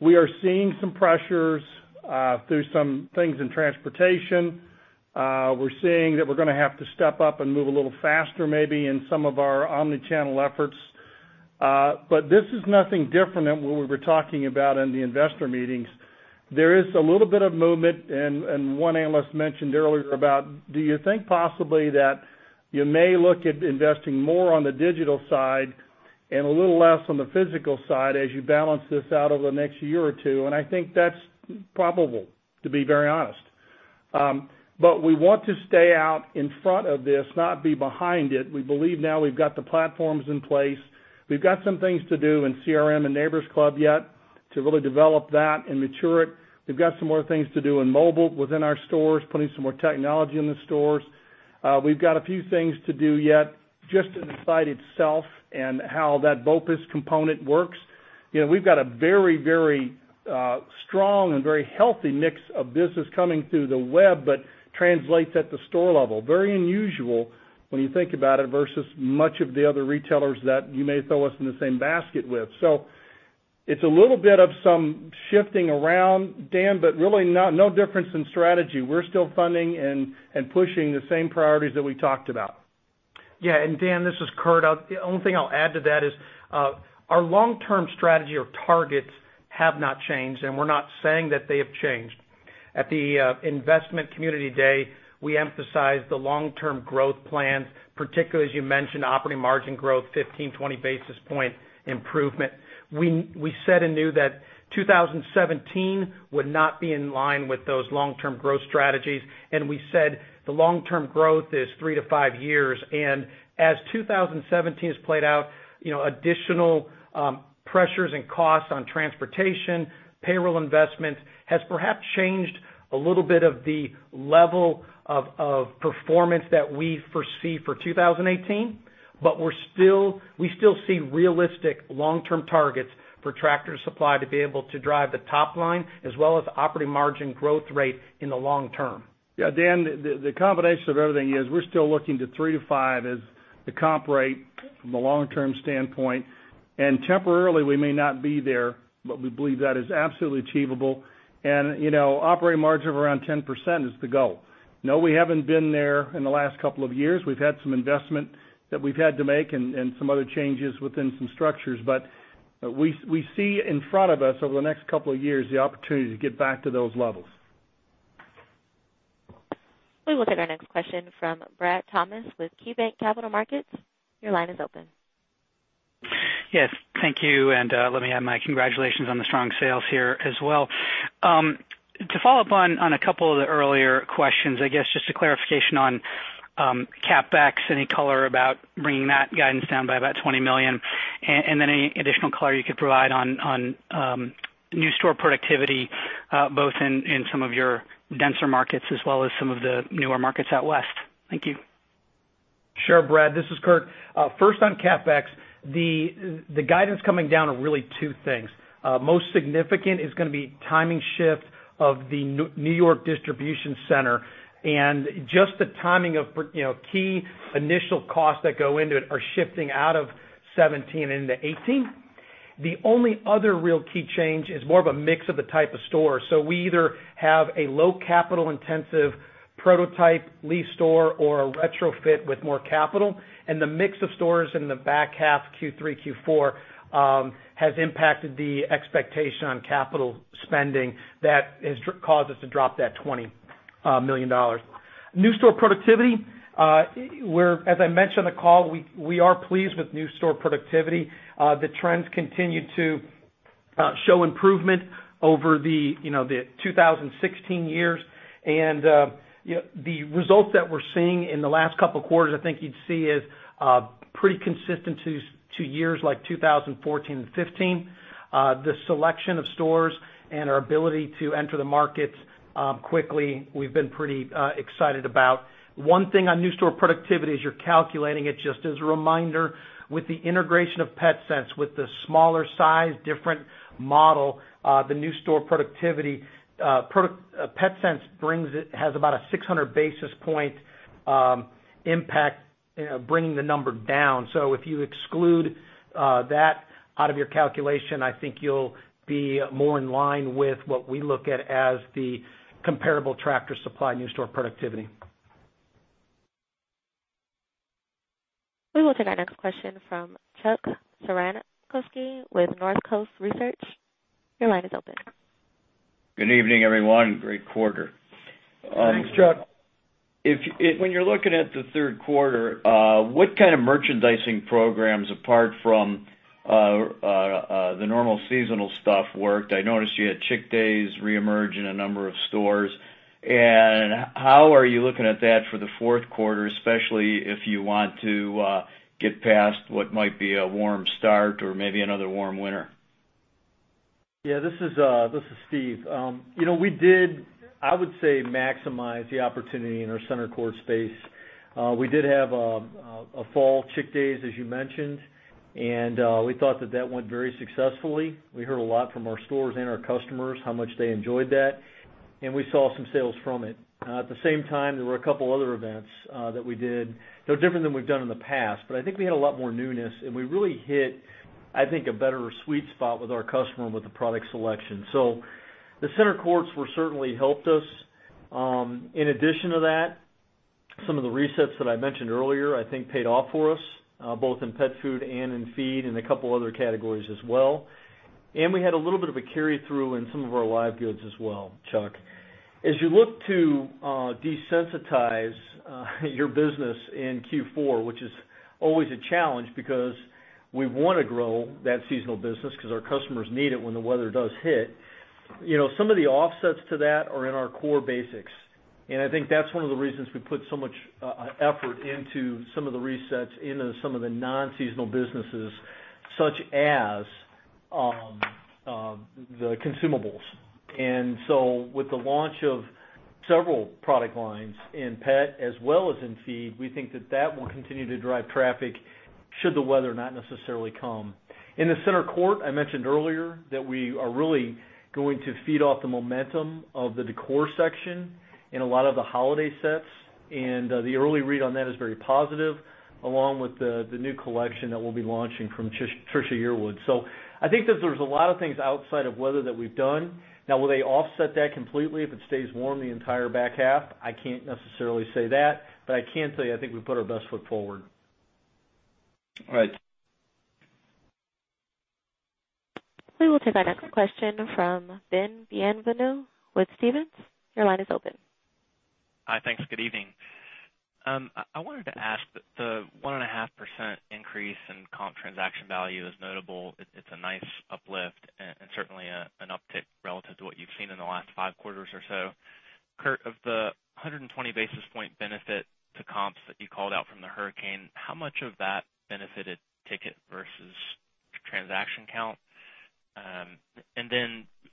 We are seeing some pressures through some things in transportation. We're seeing that we're going to have to step up and move a little faster, maybe, in some of our omni-channel efforts. This is nothing different than what we were talking about in the investor meetings. There is a little bit of movement. One analyst mentioned earlier about, do you think possibly that you may look at investing more on the digital side and a little less on the physical side as you balance this out over the next year or two? I think that's probable, to be very honest. We want to stay out in front of this, not be behind it. We believe now we've got the platforms in place. We've got some things to do in CRM and Neighbor's Club yet to really develop that and mature it. We've got some more things to do in mobile within our stores, putting some more technology in the stores. We've got a few things to do yet just in the site itself and how that BOPUS component works. We've got a very strong and very healthy mix of business coming through the web. Translates at the store level. Very unusual when you think about it, versus much of the other retailers that you may throw us in the same basket with. It's a little bit of some shifting around, Dan, really no difference in strategy. We're still funding and pushing the same priorities that we talked about. Dan, this is Kurt. The only thing I'll add to that is, our long-term strategy or targets have not changed, and we're not saying that they have changed. At the Investment Community Day, we emphasized the long-term growth plan, particularly as you mentioned, operating margin growth 15, 20 basis point improvement. We said in new that 2017 would not be in line with those long-term growth strategies, and we said the long-term growth is three to five years. As 2017 has played out, additional pressures and costs on transportation, payroll investment, has perhaps changed a little bit of the level of performance that we foresee for 2018. We still see realistic long-term targets for Tractor Supply to be able to drive the top line as well as operating margin growth rate in the long term. Yeah. Dan, the combination of everything is we're still looking to three to five as the comp rate from a long-term standpoint. Temporarily we may not be there, but we believe that is absolutely achievable. Operating margin of around 10% is the goal. No, we haven't been there in the last couple of years. We've had some investment that we've had to make and some other changes within some structures. We see in front of us over the next couple of years, the opportunity to get back to those levels. We will take our next question from Brad Thomas with KeyBanc Capital Markets. Your line is open. Yes. Thank you. Let me add my congratulations on the strong sales here as well. To follow up on a couple of the earlier questions, I guess just a clarification on CapEx, any color about bringing that guidance down by about $20 million, and then any additional color you could provide on new store productivity, both in some of your denser markets as well as some of the newer markets out West. Thank you. Sure, Brad. This is Kurt. First on CapEx, the guidance coming down are really two things. Most significant is going to be timing shift of the New York distribution center and just the timing of key initial costs that go into it are shifting out of 2017 into 2018. The only other real key change is more of a mix of the type of store. We either have a low capital intensive prototype lease store or a retrofit with more capital, and the mix of stores in the back half Q3, Q4, has impacted the expectation on capital spending that has caused us to drop that $20 million. New store productivity, as I mentioned on the call, we are pleased with new store productivity. The trends continue to show improvement over the 2016 years. The results that we're seeing in the last couple of quarters, I think you'd see, is pretty consistent to years like 2014 and 2015. The selection of stores and our ability to enter the markets quickly, we've been pretty excited about. One thing on new store productivity as you're calculating it, just as a reminder, with the integration of Petsense with the smaller size, different model, the new store productivity, Petsense has about a 600 basis point impact bringing the number down. If you exclude that out of your calculation, I think you'll be more in line with what we look at as the comparable Tractor Supply new store productivity. We will take our next question from Chuck Cerankosky with Northcoast Research. Your line is open. Good evening, everyone. Great quarter. Thanks, Chuck. When you're looking at the third quarter, what kind of merchandising programs, apart from the normal seasonal stuff, worked? I noticed you had Chick Days reemerge in a number of stores. How are you looking at that for the fourth quarter, especially if you want to get past what might be a warm start or maybe another warm winter? This is Steve. We did, I would say, maximize the opportunity in our center court space. We did have a fall Chick Days, as you mentioned, we thought that that went very successfully. We heard a lot from our stores and our customers, how much they enjoyed that, we saw some sales from it. At the same time, there were a couple other events that we did, no different than we've done in the past, I think we had a lot more newness and we really hit, I think, a better sweet spot with our customer with the product selection. The center courts were certainly helped us. In addition to that, some of the resets that I mentioned earlier, I think paid off for us, both in pet food and in feed, and a couple other categories as well. We had a little bit of a carry-through in some of our live goods as well, Chuck. As you look to desensitize your business in Q4, which is always a challenge because we want to grow that seasonal business because our customers need it when the weather does hit. Some of the offsets to that are in our core basics. I think that's one of the reasons we put so much effort into some of the resets into some of the non-seasonal businesses such as the consumables. With the launch of several product lines in pet as well as in feed, we think that that will continue to drive traffic should the weather not necessarily come. In the center court, I mentioned earlier that we are really going to feed off the momentum of the decor section in a lot of the holiday sets, and the early read on that is very positive, along with the new collection that we'll be launching from Trisha Yearwood. I think that there's a lot of things outside of weather that we've done. Will they offset that completely if it stays warm the entire back half? I can't necessarily say that, but I can tell you, I think we put our best foot forward. All right. We will take our next question from Ben Bienvenu with Stephens. Your line is open. Hi. Thanks. Good evening. I wanted to ask, the 1.5% increase in comp transaction value is notable. It's a nice uplift and certainly an uptick relative to what you've seen in the last five quarters or so. Kurt, of the 120 basis point benefit to comps that you called out from the hurricane, how much of that benefited ticket versus transaction count?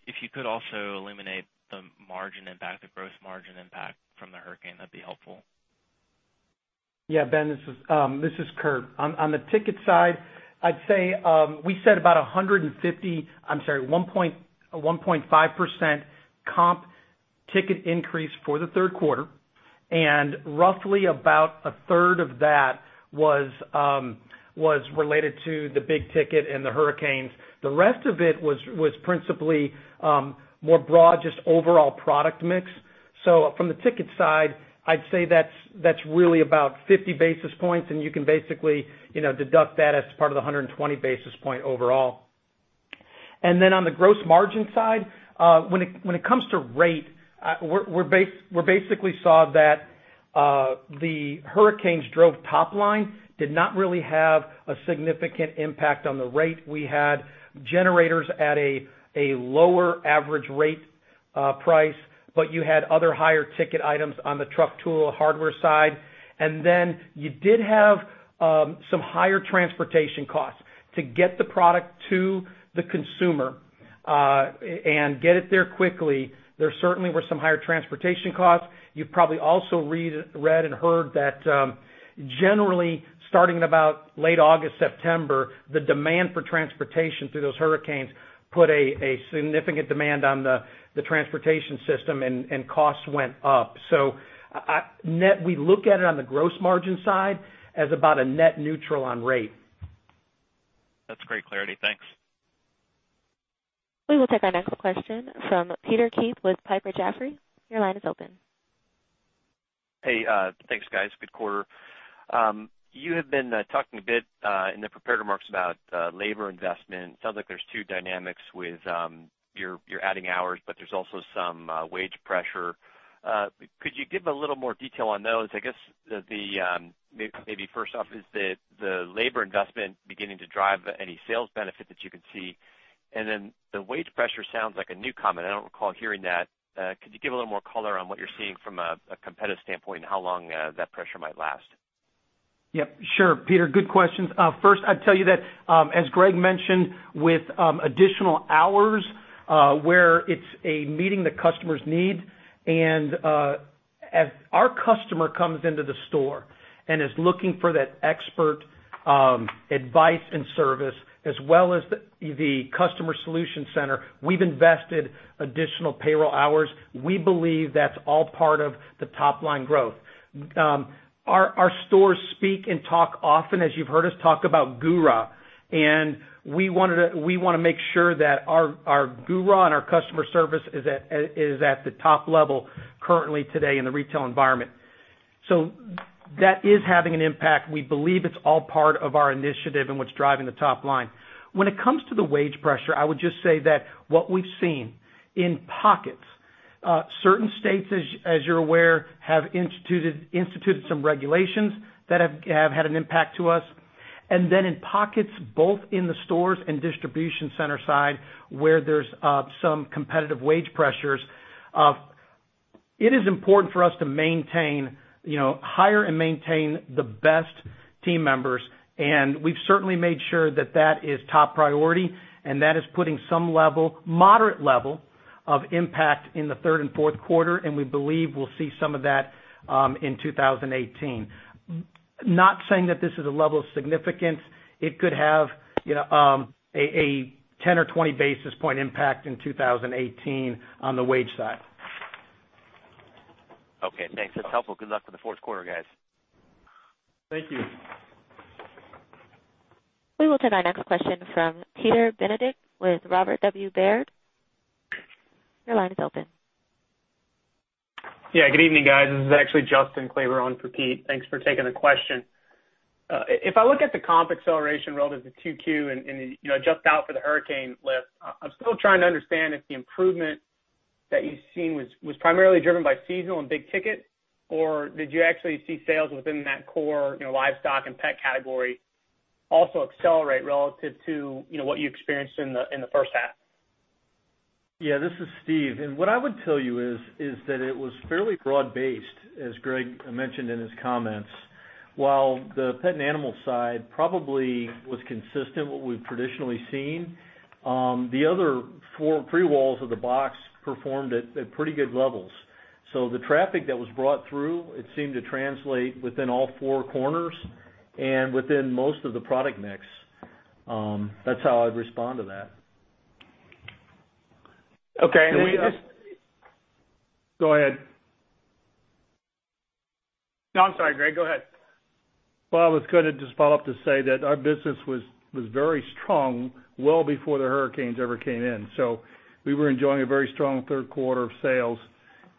If you could also illuminate the margin impact, the gross margin impact from the hurricane, that'd be helpful. Yeah, Ben, this is Kurt. On the ticket side, I'd say, we said about 1.5% comp ticket increase for the third quarter, and roughly about a third of that was related to the big ticket and the hurricanes. The rest of it was principally more broad, just overall product mix. From the ticket side, I'd say that's really about 50 basis points, and you can basically deduct that as part of the 120 basis point overall. On the gross margin side, when it comes to rate, we basically saw that the hurricanes drove top line, did not really have a significant impact on the rate. We had generators at a lower average rate price, but you had other higher ticket items on the truck tool, hardware side. You did have some higher transportation costs to get the product to the consumer, and get it there quickly. There certainly were some higher transportation costs. You've probably also read and heard that, generally starting in about late August, September, the demand for transportation through those hurricanes put a significant demand on the transportation system and costs went up. Net, we look at it on the gross margin side as about a net neutral on rate. That's great clarity. Thanks. We will take our next question from Peter Keith with Piper Jaffray. Your line is open. Hey, thanks, guys. Good quarter. You have been talking a bit, in the prepared remarks about labor investment. Sounds like there's two dynamics with, you're adding hours, but there's also some wage pressure. Could you give a little more detail on those? I guess, maybe first off, is the labor investment beginning to drive any sales benefit that you can see? The wage pressure sounds like a new comment. I don't recall hearing that. Could you give a little more color on what you're seeing from a competitive standpoint and how long that pressure might last? Yep, sure. Peter, good questions. First, I'd tell you that, as Greg mentioned, with additional hours, where it's a meeting the customer's need and, as our customer comes into the store and is looking for that expert advice and service, as well as the customer solution center, we've invested additional payroll hours. We believe that's all part of the top-line growth. Our stores speak and talk often, as you've heard us talk about GURA, and we want to make sure that our GURA and our customer service is at the top level currently today in the retail environment. That is having an impact. We believe it's all part of our initiative and what's driving the top line. When it comes to the wage pressure, I would just say that what we've seen in pockets, certain states, as you're aware, have instituted some regulations that have had an impact to us. In pockets, both in the stores and distribution center side, where there's some competitive wage pressures. It is important for us to hire and maintain the best team members. We've certainly made sure that that is top priority, and that is putting some level, moderate level, of impact in the third and fourth quarter, and we believe we'll see some of that in 2018. Not saying that this is a level of significance. It could have a 10 or 20 basis point impact in 2018 on the wage side. Okay, thanks. That's helpful. Good luck with the fourth quarter, guys. Thank you. We will take our next question from Peter Benedict with Robert W. Baird. Your line is open. Yeah, good evening, guys. This is actually Justin Kleber on for Pete. Thanks for taking the question. If I look at the comp acceleration relative to 2Q and adjust out for the hurricane lift, I'm still trying to understand if the improvement that you've seen was primarily driven by seasonal and big ticket, or did you actually see sales within that core livestock and pet category also accelerate relative to what you experienced in the first half? Yeah, this is Steve. What I would tell you is that it was fairly broad-based, as Greg mentioned in his comments. While the pet and animal side probably was consistent with what we've traditionally seen, the other three walls of the box performed at pretty good levels. The traffic that was brought through, it seemed to translate within all four corners and within most of the product mix. That's how I'd respond to that. Okay. We just Go ahead. No, I'm sorry, Greg. Go ahead. Well, I was going to just follow up to say that our business was very strong well before the hurricanes ever came in. We were enjoying a very strong third quarter of sales.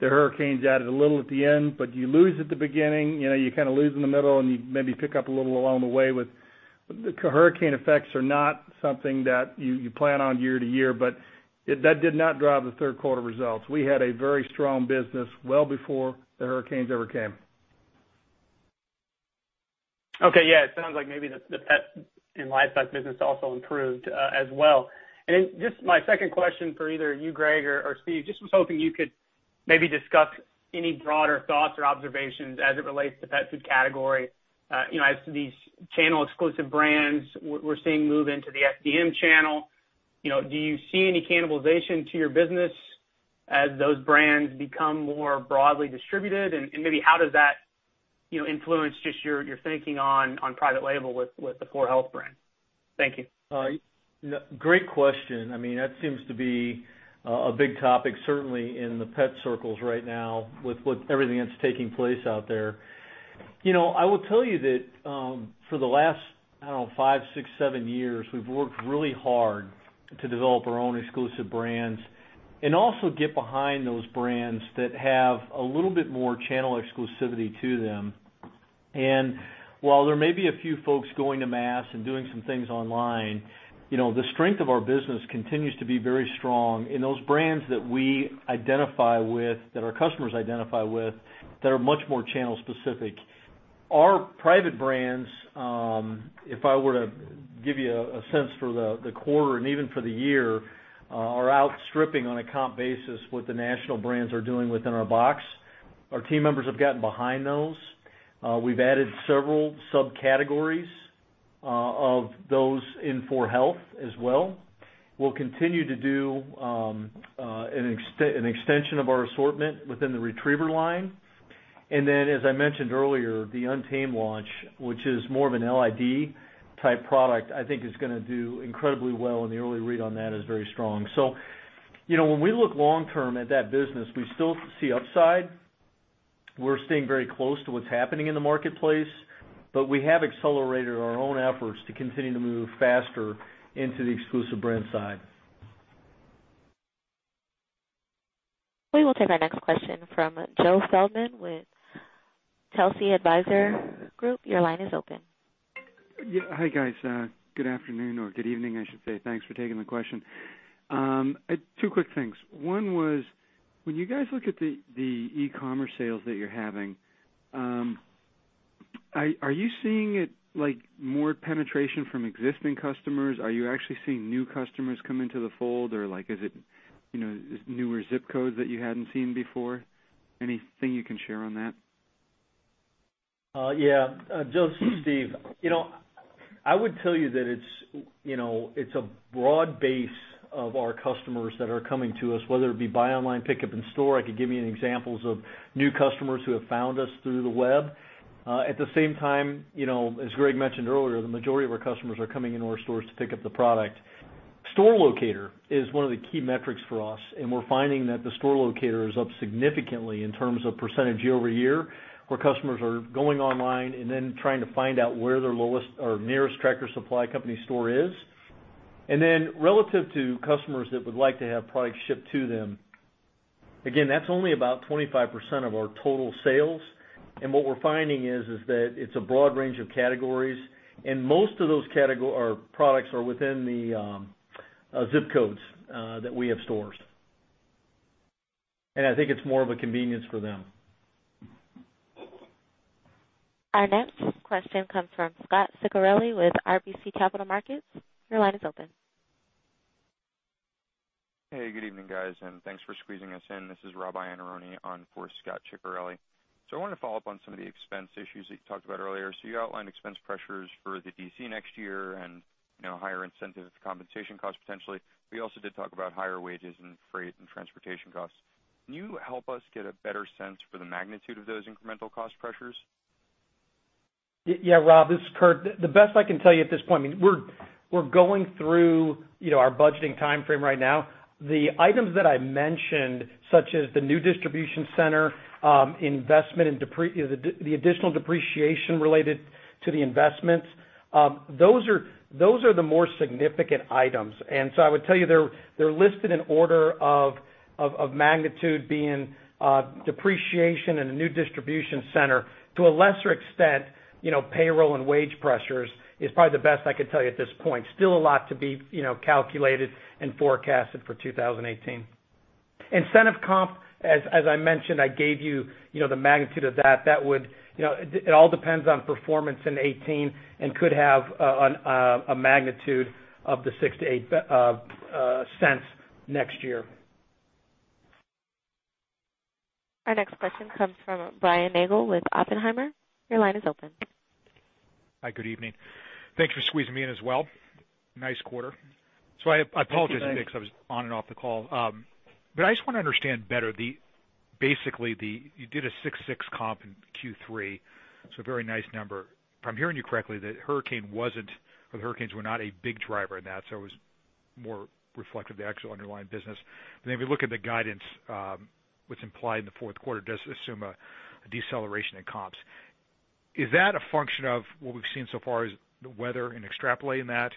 The hurricanes added a little at the end, but you lose at the beginning, you kind of lose in the middle, and you maybe pick up a little along the way. The hurricane effects are not something that you plan on year to year, but that did not drive the third quarter results. We had a very strong business well before the hurricanes ever came. Okay. Yeah. It sounds like maybe the pet and livestock business also improved as well. Just my second question for either you, Greg or Steve, just was hoping you could maybe discuss any broader thoughts or observations as it relates to pet food category. As these channel-exclusive brands we're seeing move into the FDM channel, do you see any cannibalization to your business as those brands become more broadly distributed? Maybe how does that influence just your thinking on private label with the 4health brand? Thank you. Great question. That seems to be a big topic, certainly in the pet circles right now with everything that's taking place out there. I will tell you that for the last, I don't know, five, six, seven years, we've worked really hard to develop our own exclusive brands and also get behind those brands that have a little bit more channel exclusivity to them. While there may be a few folks going to mass and doing some things online, the strength of our business continues to be very strong in those brands that we identify with, that our customers identify with, that are much more channel-specific. Our private brands, if I were to give you a sense for the quarter and even for the year, are outstripping on a comp basis what the national brands are doing within our box. Our team members have gotten behind those. We've added several subcategories of those in 4health as well. We'll continue to do an extension of our assortment within the Retriever line. As I mentioned earlier, the Untamed launch, which is more of an LID-type product, I think is going to do incredibly well, and the early read on that is very strong. When we look long-term at that business, we still see upside. We're staying very close to what's happening in the marketplace, we have accelerated our own efforts to continue to move faster into the exclusive brand side. We will take our next question from Joe Feldman with Telsey Advisory Group. Your line is open. Hi, guys. Good afternoon or good evening, I should say. Thanks for taking the question. Two quick things. One was, when you guys look at the e-commerce sales that you're having, are you seeing it like more penetration from existing customers? Are you actually seeing new customers come into the fold? Or is it newer ZIP codes that you hadn't seen before? Anything you can share on that? Joe, this is Steve. I would tell you that it's a broad base of our customers that are coming to us, whether it be buy online, pickup in store. I could give you examples of new customers who have found us through the web. At the same time, as Greg mentioned earlier, the majority of our customers are coming into our stores to pick up the product. Store locator is one of the key metrics for us, and we're finding that the store locator is up significantly in terms of percentage year-over-year, where customers are going online and then trying to find out where their nearest Tractor Supply Company store is. Relative to customers that would like to have products shipped to them, again, that's only about 25% of our total sales. What we're finding is that it's a broad range of categories, and most of those products are within the ZIP codes that we have stores. I think it's more of a convenience for them. Our next question comes from Scot Ciccarelli with RBC Capital Markets. Your line is open. Hey, good evening, guys, and thanks for squeezing us in. This is Robert Iannarone on for Scot Ciccarelli. I wanted to follow up on some of the expense issues that you talked about earlier. You outlined expense pressures for the DC next year and higher incentive compensation costs, potentially. You also did talk about higher wages and freight and transportation costs. Can you help us get a better sense for the magnitude of those incremental cost pressures? Yeah, Rob, this is Kurt. The best I can tell you at this point, we're going through our budgeting timeframe right now. The items that I mentioned, such as the new distribution center, the additional depreciation related to the investments, those are the more significant items. I would tell you they're listed in order of magnitude being depreciation and the new distribution center. To a lesser extent, payroll and wage pressures is probably the best I could tell you at this point. Still a lot to be calculated and forecasted for 2018. Incentive comp, as I mentioned, I gave you the magnitude of that. It all depends on performance in 2018 and could have a magnitude of the $0.06-$0.08 next year. Our next question comes from Brian Nagel with Oppenheimer. Your line is open. Hi, good evening. Thanks for squeezing me in as well. Nice quarter. Thank you, Brian. I apologize because I was on and off the call. I just want to understand better, basically, you did a 6 comp in Q3, so a very nice number. If I'm hearing you correctly, the hurricanes were not a big driver in that, so it was more reflective of the actual underlying business. If you look at the guidance, what's implied in the fourth quarter does assume a deceleration in comps. Is that a function of what we've seen so far as the weather and extrapolating that,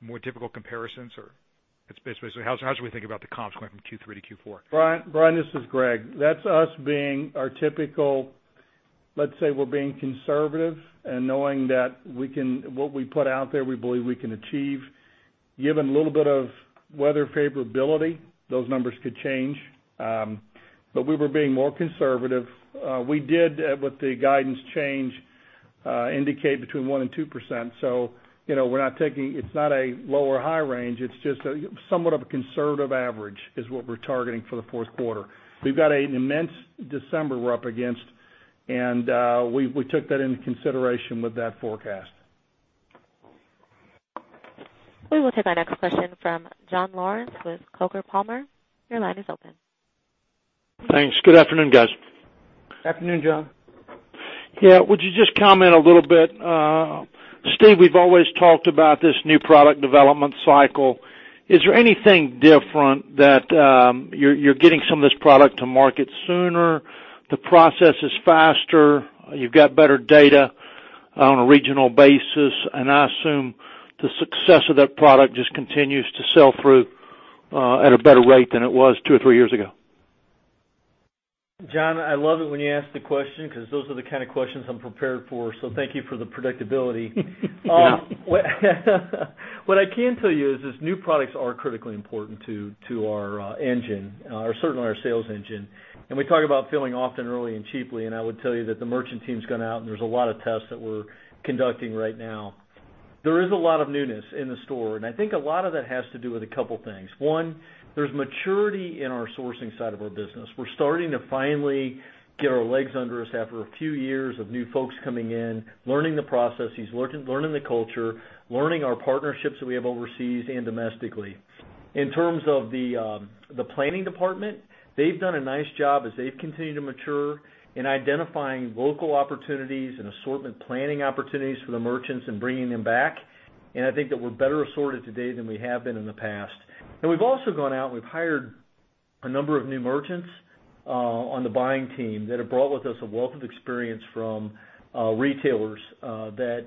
more difficult comparisons? How should we think about the comps going from Q3 to Q4? Brian, this is Greg. That's us being our typical, let's say we're being conservative and knowing that what we put out there, we believe we can achieve. Given a little bit of weather favorability, those numbers could change. We were being more conservative. We did, with the guidance change, indicate between 1% and 2%. It's not a low or high range, it's just somewhat of a conservative average is what we're targeting for the fourth quarter. We've got an immense December we're up against, we took that into consideration with that forecast. We will take our next question from John Lawrence with Coker Palmer. Your line is open. Thanks. Good afternoon, guys. Afternoon, John. Yeah. Would you just comment a little bit? Steve, we've always talked about this new product development cycle. Is there anything different that you're getting some of this product to market sooner, the process is faster, you've got better data on a regional basis, and I assume the success of that product just continues to sell through at a better rate than it was two or three years ago. John, I love it when you ask the question because those are the kind of questions I'm prepared for, thank you for the predictability. What I can tell you is new products are critically important to our engine, or certainly our sales engine. We talk about filling often, early, and cheaply, I would tell you that the merchant team's gone out and there's a lot of tests that we're conducting right now. There is a lot of newness in the store, I think a lot of that has to do with a couple things. One, there's maturity in our sourcing side of our business. We're starting to finally get our legs under us after a few years of new folks coming in, learning the processes, learning the culture, learning our partnerships that we have overseas and domestically. In terms of the planning department, they've done a nice job as they've continued to mature in identifying local opportunities and assortment planning opportunities for the merchants and bringing them back. I think that we're better assorted today than we have been in the past. We've also gone out and we've hired a number of new merchants on the buying team that have brought with us a wealth of experience from retailers that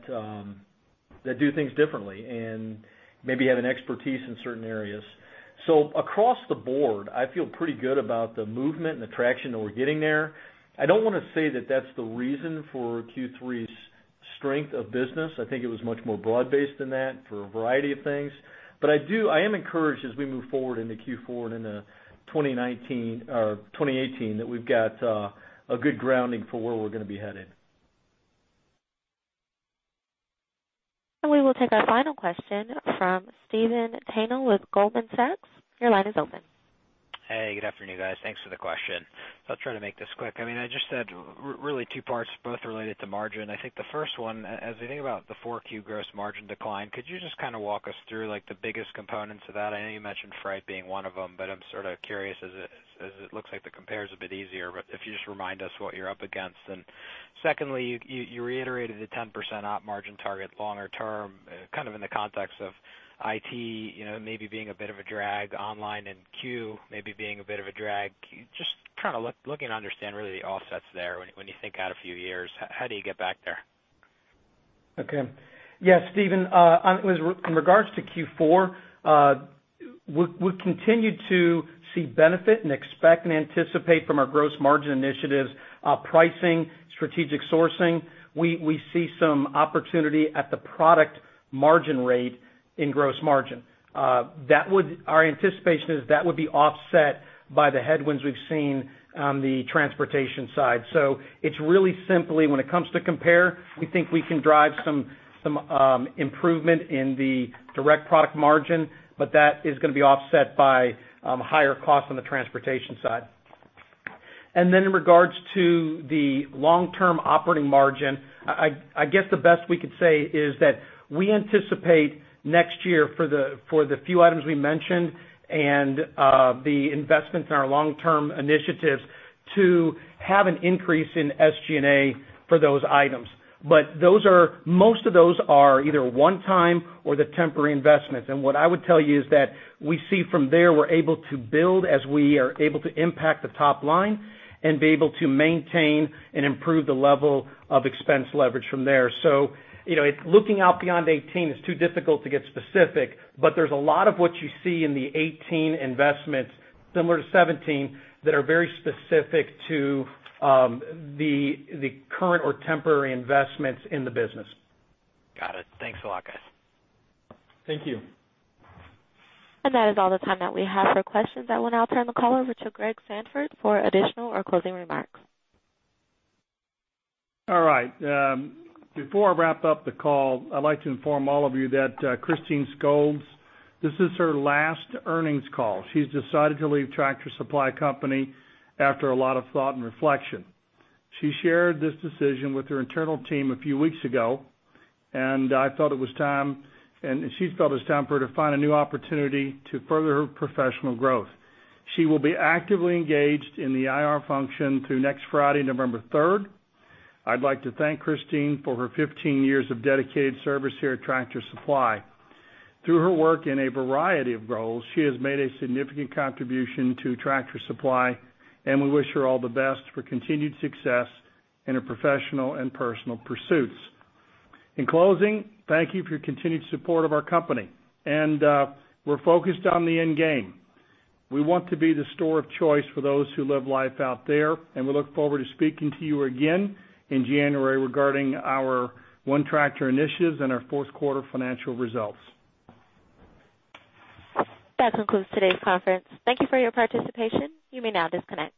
do things differently and maybe have an expertise in certain areas. Across the board, I feel pretty good about the movement and the traction that we're getting there. I don't want to say that that's the reason for Q3's strength of business. I think it was much more broad based than that for a variety of things. I am encouraged as we move forward into Q4 and into 2018, that we've got a good grounding for where we're going to be headed. We will take our final question from Steven Zaccone with J.P. Morgan. Your line is open. Hey, good afternoon, guys. Thanks for the question. I'll try to make this quick. I just had really two parts, both related to margin. I think the first one, as we think about the 4Q gross margin decline, could you just walk us through the biggest components of that? I know you mentioned freight being one of them, I'm sort of curious as it looks like the compare is a bit easier. If you just remind us what you're up against. Secondly, you reiterated the 10% op margin target longer term, kind of in the context of IT maybe being a bit of a drag online and C.U.E. maybe being a bit of a drag. Just looking to understand really the offsets there when you think out a few years. How do you get back there? Okay. Yeah, Steven, in regards to Q4, we continue to see benefit and expect and anticipate from our gross margin initiatives, pricing, strategic sourcing. We see some opportunity at the product margin rate In gross margin, our anticipation is that would be offset by the headwinds we've seen on the transportation side. It's really simply when it comes to compare, we think we can drive some improvement in the direct product margin, but that is going to be offset by higher costs on the transportation side. Then in regards to the long-term operating margin, I guess the best we could say is that we anticipate next year for the few items we mentioned and the investments in our long-term initiatives to have an increase in SG&A for those items. Most of those are either one-time or the temporary investments. What I would tell you is that we see from there, we're able to build as we are able to impact the top line and be able to maintain and improve the level of expense leverage from there. Looking out beyond 2018, it's too difficult to get specific, but there's a lot of what you see in the 2018 investments similar to 2017 that are very specific to the current or temporary investments in the business. Got it. Thanks a lot, guys. Thank you. That is all the time that we have for questions. I will now turn the call over to Greg Sandfort for additional or closing remarks. All right. Before I wrap up the call, I'd like to inform all of you that Christine Skold, this is her last earnings call. She's decided to leave Tractor Supply Company after a lot of thought and reflection. She shared this decision with her internal team a few weeks ago, and she felt it was time for her to find a new opportunity to further her professional growth. She will be actively engaged in the IR function through next Friday, November 3rd. I'd like to thank Christine for her 15 years of dedicated service here at Tractor Supply. Through her work in a variety of roles, she has made a significant contribution to Tractor Supply, and we wish her all the best for continued success in her professional and personal pursuits. In closing, thank you for your continued support of our company, and we're focused on the end game. We want to be the store of choice for those who live life out there. We look forward to speaking to you again in January regarding our ONETractor initiatives and our fourth quarter financial results. That concludes today's conference. Thank you for your participation. You may now disconnect.